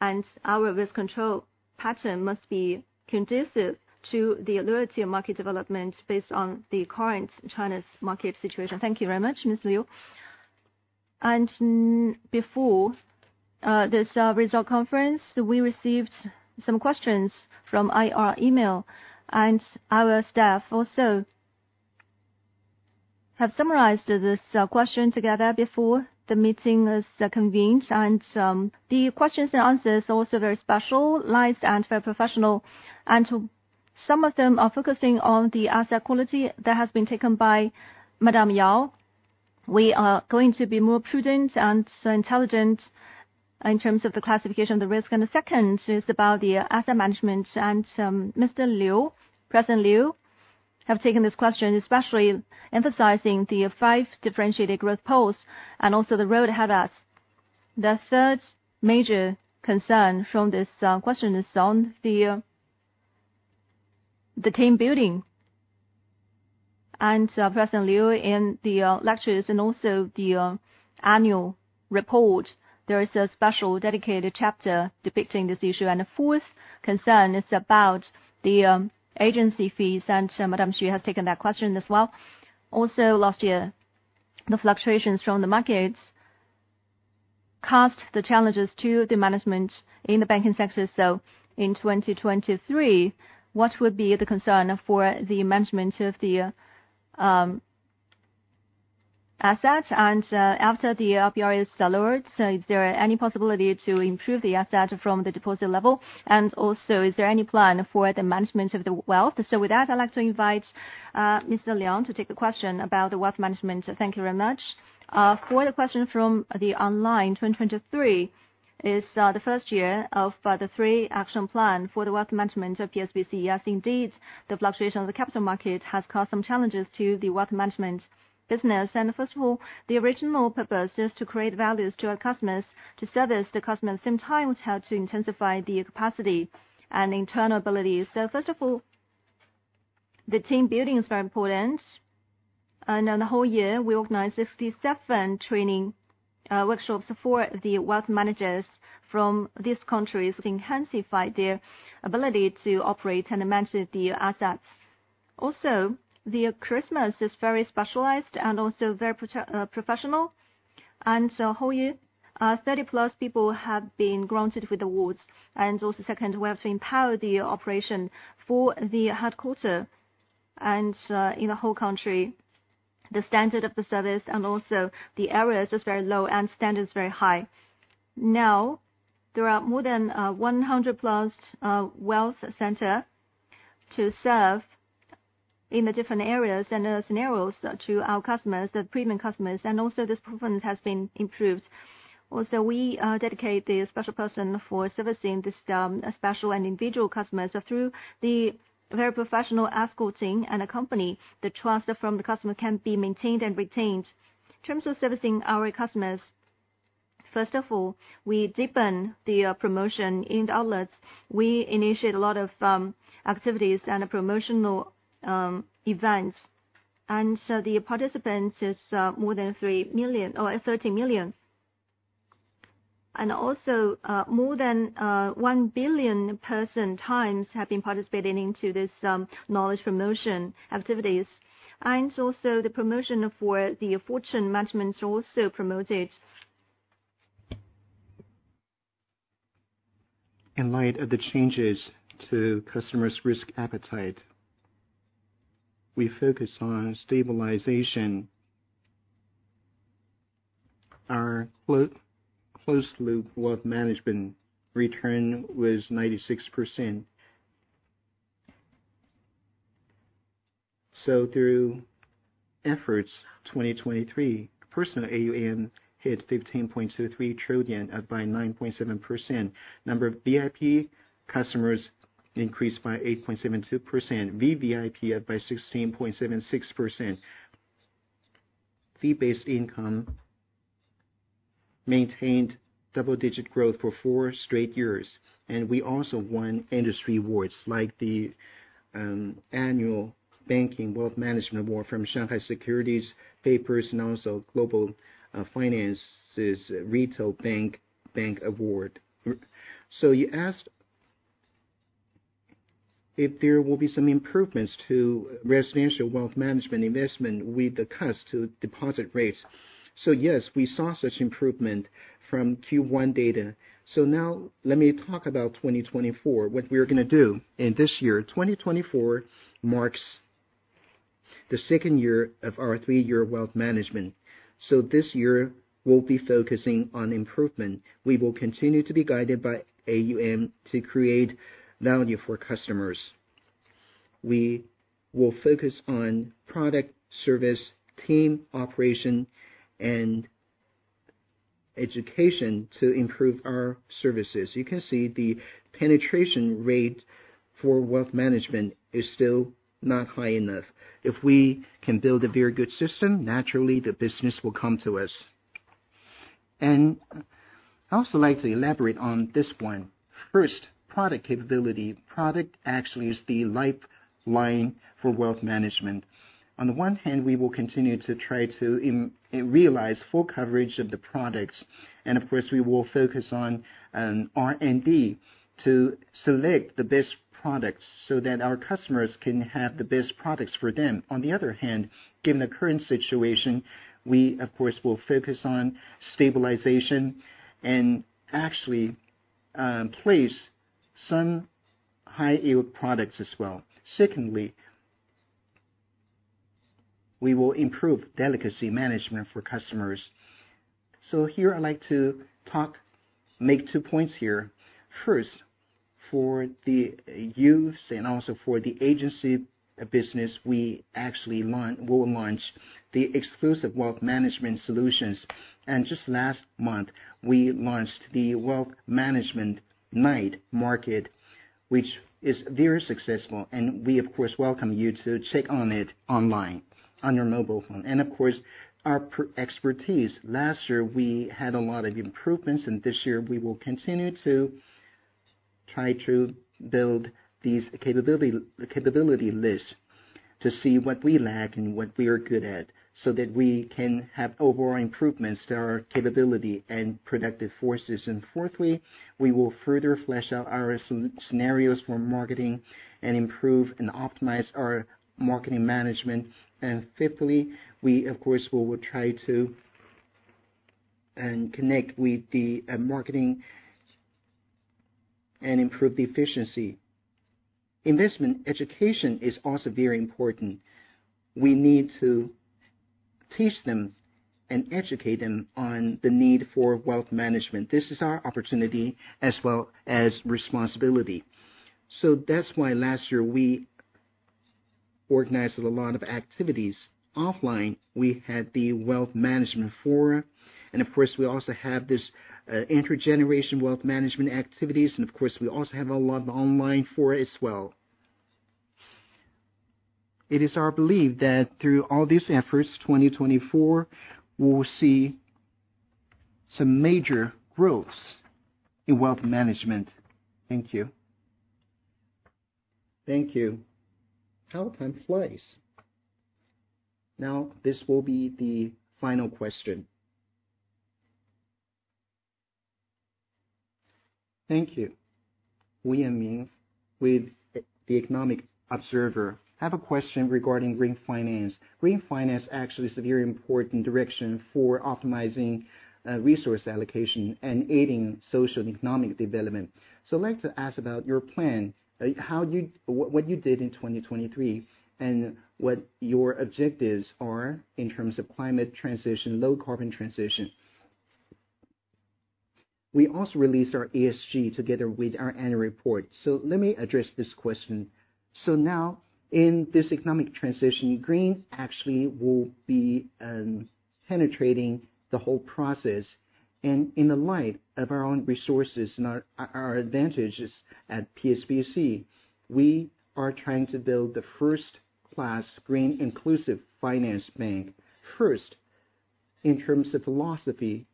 And our risk control pattern must be conducive to the ability of market development based on the current China's market situation. Thank you very much, Ms. Liu. And before this result conference, we received some questions from IR email. And our staff also have summarized this question together before the meeting is convened. And the questions and answers are also very special, light, and very professional. And some of them are focusing on the asset quality that has been taken by Madame Yao. We are going to be more prudent and intelligent in terms of the classification of the risk. And the second is about the asset management. And Mr. Liu, President Liu, have taken this question, especially emphasizing the five differentiated growth poles and also the road ahead of us. The third major concern from this question is on the team building. President Liu, in the lectures and also the annual report, there is a special dedicated chapter depicting this issue. The fourth concern is about the agency fees. Madame Xu has taken that question as well. Also, last year, the fluctuations from the markets caused the challenges to the management in the banking sector. So in 2023, what would be the concern for the management of the asset? After the RBR is lowered, is there any possibility to improve the asset from the deposit level? Also, is there any plan for the management of the wealth? So with that, I'd like to invite Mr. Liang to take the question about the wealth management. Thank you very much. For the question from the online, 2023 is the first year of the three action plan for the wealth management of PSBC. Yes, indeed, the fluctuation of the capital market has caused some challenges to the wealth management business. First of all, the original purpose is to create values to our customers, to service the customers, at the same time as how to intensify the capacity and internal abilities. So first of all, the team building is very important. And on the whole year, we organize 67 training workshops for the wealth managers from these countries. Enhance their ability to operate and manage the assets. Also, The contest is very specialized and also very professional. And the whole year, 30+ people have been granted with awards. And also second, we have to empower the operation for the headquarters. In the whole country, the standard of the service and also the areas is very low and standards very high. Now, there are more than 100-plus wealth centers to serve in the different areas and scenarios to our customers, the premium customers. This performance has been improved. We dedicate the special person for servicing these special and individual customers. Through the very professional escorting and accompany, the trust from the customer can be maintained and retained. In terms of servicing our customers, first of all, we deepen the promotion in the outlets. We initiate a lot of activities and promotional events. The participants are more than 3 million or 30 million. More than 1 billion person-times have been participating into these knowledge promotion activities. The promotion for the wealth management is also promoted. In light of the changes to customers' risk appetite, we focus on stabilization. Our closed-loop wealth management return was 96%. So through efforts, 2023, personal AUM hit 15.23 trillion up by 9.7%. Number of VIP customers increased by 8.72%, VVIP up by 16.76%. Fee-based income maintained double-digit growth for four straight years. We also won industry awards like the Annual Banking Wealth Management Award from Shanghai Securities Papers and also Global Finance Retail Bank Award. So you asked if there will be some improvements to residential wealth management investment with the cuts to deposit rates. So yes, we saw such improvement from Q1 data. So now let me talk about 2024, what we are going to do in this year. 2024 marks the second year of our three-year wealth management. So this year we'll be focusing on improvement. We will continue to be guided by AUM to create value for customers. We will focus on product, service, team, operation, and education to improve our services. You can see the penetration rate for wealth management is still not high enough. If we can build a very good system, naturally, the business will come to us. I also like to elaborate on this one. First, product capability. Product actually is the lifeline for wealth management. On the one hand, we will continue to try to realize full coverage of the products. And of course, we will focus on R&D to select the best products so that our customers can have the best products for them. On the other hand, given the current situation, we, of course, will focus on stabilization and actually place some high-yield products as well. Secondly, we will improve delicacy management for customers. So here I'd like to make two points here. First, for the youths and also for the agency business, we will launch the exclusive wealth management solutions. And just last month, we launched the Wealth Management Night Market, which is very successful. And we, of course, welcome you to check on it online on your mobile phone. And of course, our expertise last year, we had a lot of improvements. And this year, we will continue to try to build these capability lists to see what we lack and what we are good at so that we can have overall improvements to our capability and productive forces. And fourthly, we will further flesh out our scenarios for marketing and improve and optimize our marketing management. And fifthly, we, of course, will try to connect with the marketing and improve the efficiency. Investment education is also very important. We need to teach them and educate them on the need for wealth management. This is our opportunity as well as responsibility. So that's why last year we organized a lot of activities offline. We had the Wealth Management Forum. And of course, we also have these intergenerational wealth management activities. And of course, we also have a lot of online fora as well. It is our belief that through all these efforts, 2024 will see some major growths in wealth management. Thank you. Thank you. How time flies. Now, this will be the final question. Thank you. Wen Ming with the Economic Observer have a question regarding green finance. Green finance actually is a very important direction for optimizing resource allocation and aiding social and economic development. So I'd like to ask about your plan, what you did in 2023, and what your objectives are in terms of climate transition, low-carbon transition. We also released our ESG together with our annual report. So let me address this question. So now, in this economic transition, green actually will be penetrating the whole process. And in the light of our own resources and our advantages at PSBC, we are trying to build the first-class green inclusive finance bank. First, in terms of philosophy,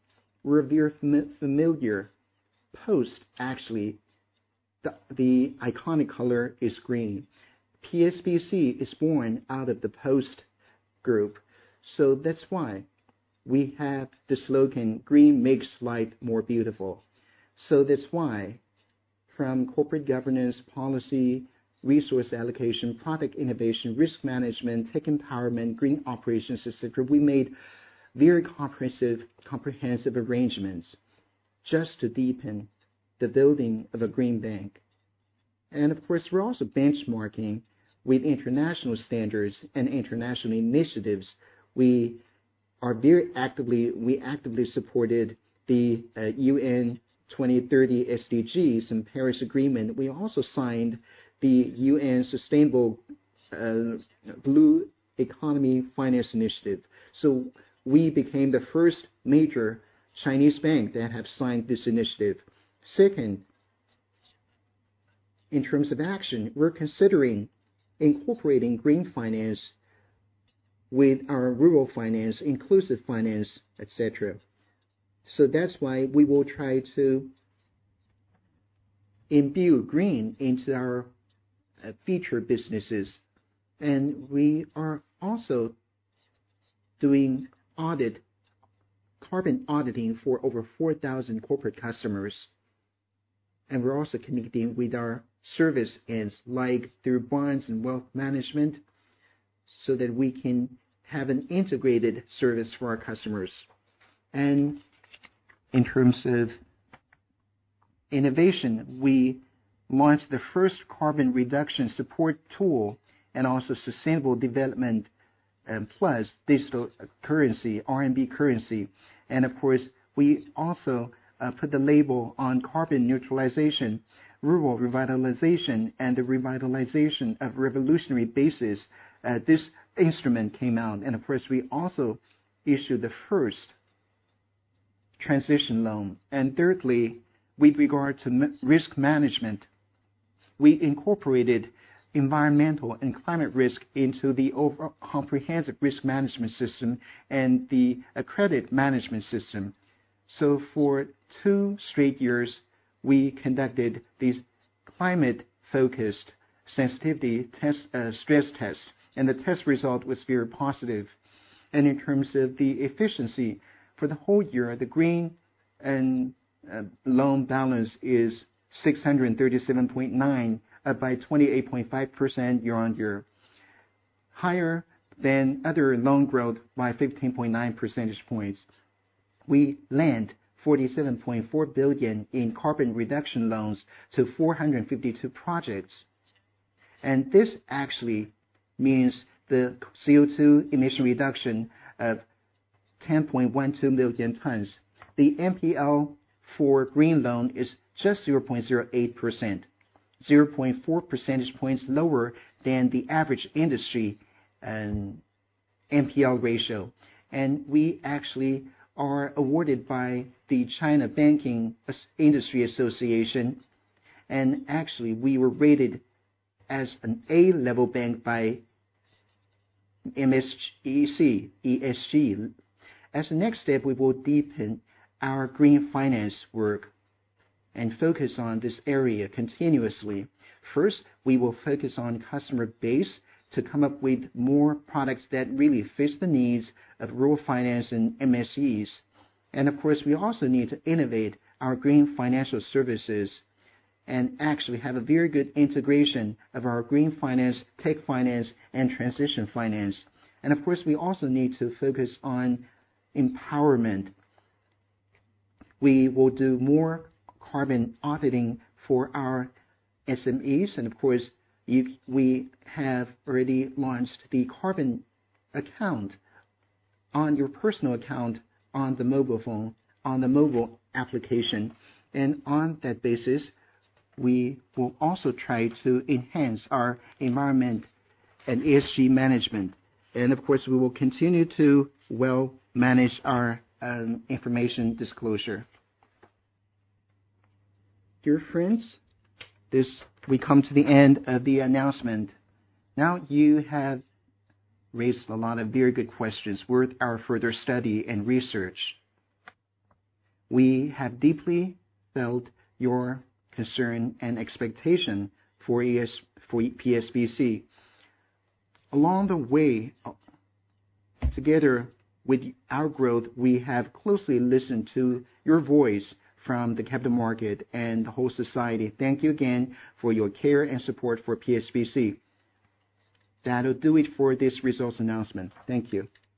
referring to the familiar Post, actually, the iconic color is green. PSBC is born out of the Post Group. So that's why we have the slogan, "Green makes life more beautiful." So that's why from corporate governance, policy, resource allocation, product innovation, risk management, tech empowerment, green operations, etc., we made very comprehensive arrangements just to deepen the building of a green bank. Of course, we're also benchmarking with international standards and international initiatives. We actively supported the UN 2030 SDGs and Paris Agreement. We also signed the UN Sustainable Blue Economy Finance Initiative. We became the first major Chinese bank that has signed this initiative. Second, in terms of action, we're considering incorporating green finance with our rural finance, inclusive finance, etc. That's why we will try to imbue green into our future businesses. We are also doing carbon auditing for over 4,000 corporate customers. We're also connecting with our service ends through bonds and wealth management so that we can have an integrated service for our customers. In terms of innovation, we launched the first carbon reduction support tool and also Sustainable Development Plus digital currency, RMB currency. Of course, we also put the label on carbon neutralization, rural revitalization, and the revitalization of revolutionary bases. This instrument came out. Of course, we also issued the first transition loan. Thirdly, with regard to risk management, we incorporated environmental and climate risk into the overall comprehensive risk management system and the credit management system. For two straight years, we conducted these climate-focused sensitivity stress tests. The test result was very positive. In terms of the efficiency, for the whole year, the green loan balance is 637.9 billion by 28.5% year-on-year, higher than other loan growth by 15.9 percentage points. We lent 47.4 billion in carbon reduction loans to 452 projects. This actually means the CO2 emission reduction of 10.12 million tons. The NPL for green loan is just 0.08%, 0.4 percentage points lower than the average industry NPL ratio. We actually are awarded by the China Banking Association. Actually, we were rated as an A-level bank by MSCI ESG. As a next step, we will deepen our green finance work and focus on this area continuously. First, we will focus on customer base to come up with more products that really fit the needs of rural finance and MSEs. And of course, we also need to innovate our green financial services and actually have a very good integration of our green finance, tech finance, and transition finance. And of course, we also need to focus on empowerment. We will do more carbon auditing for our SMEs. And of course, we have already launched the carbon account on your personal account on the mobile phone, on the mobile application. And on that basis, we will also try to enhance our environment and ESG management. Of course, we will continue to well manage our information disclosure. Dear friends, we come to the end of the announcement. Now you have raised a lot of very good questions worth our further study and research. We have deeply felt your concern and expectation for PSBC. Along the way, together with our growth, we have closely listened to your voice from the capital market and the whole society. Thank you again for your care and support for PSBC. That'll do it for this results announcement. Thank you.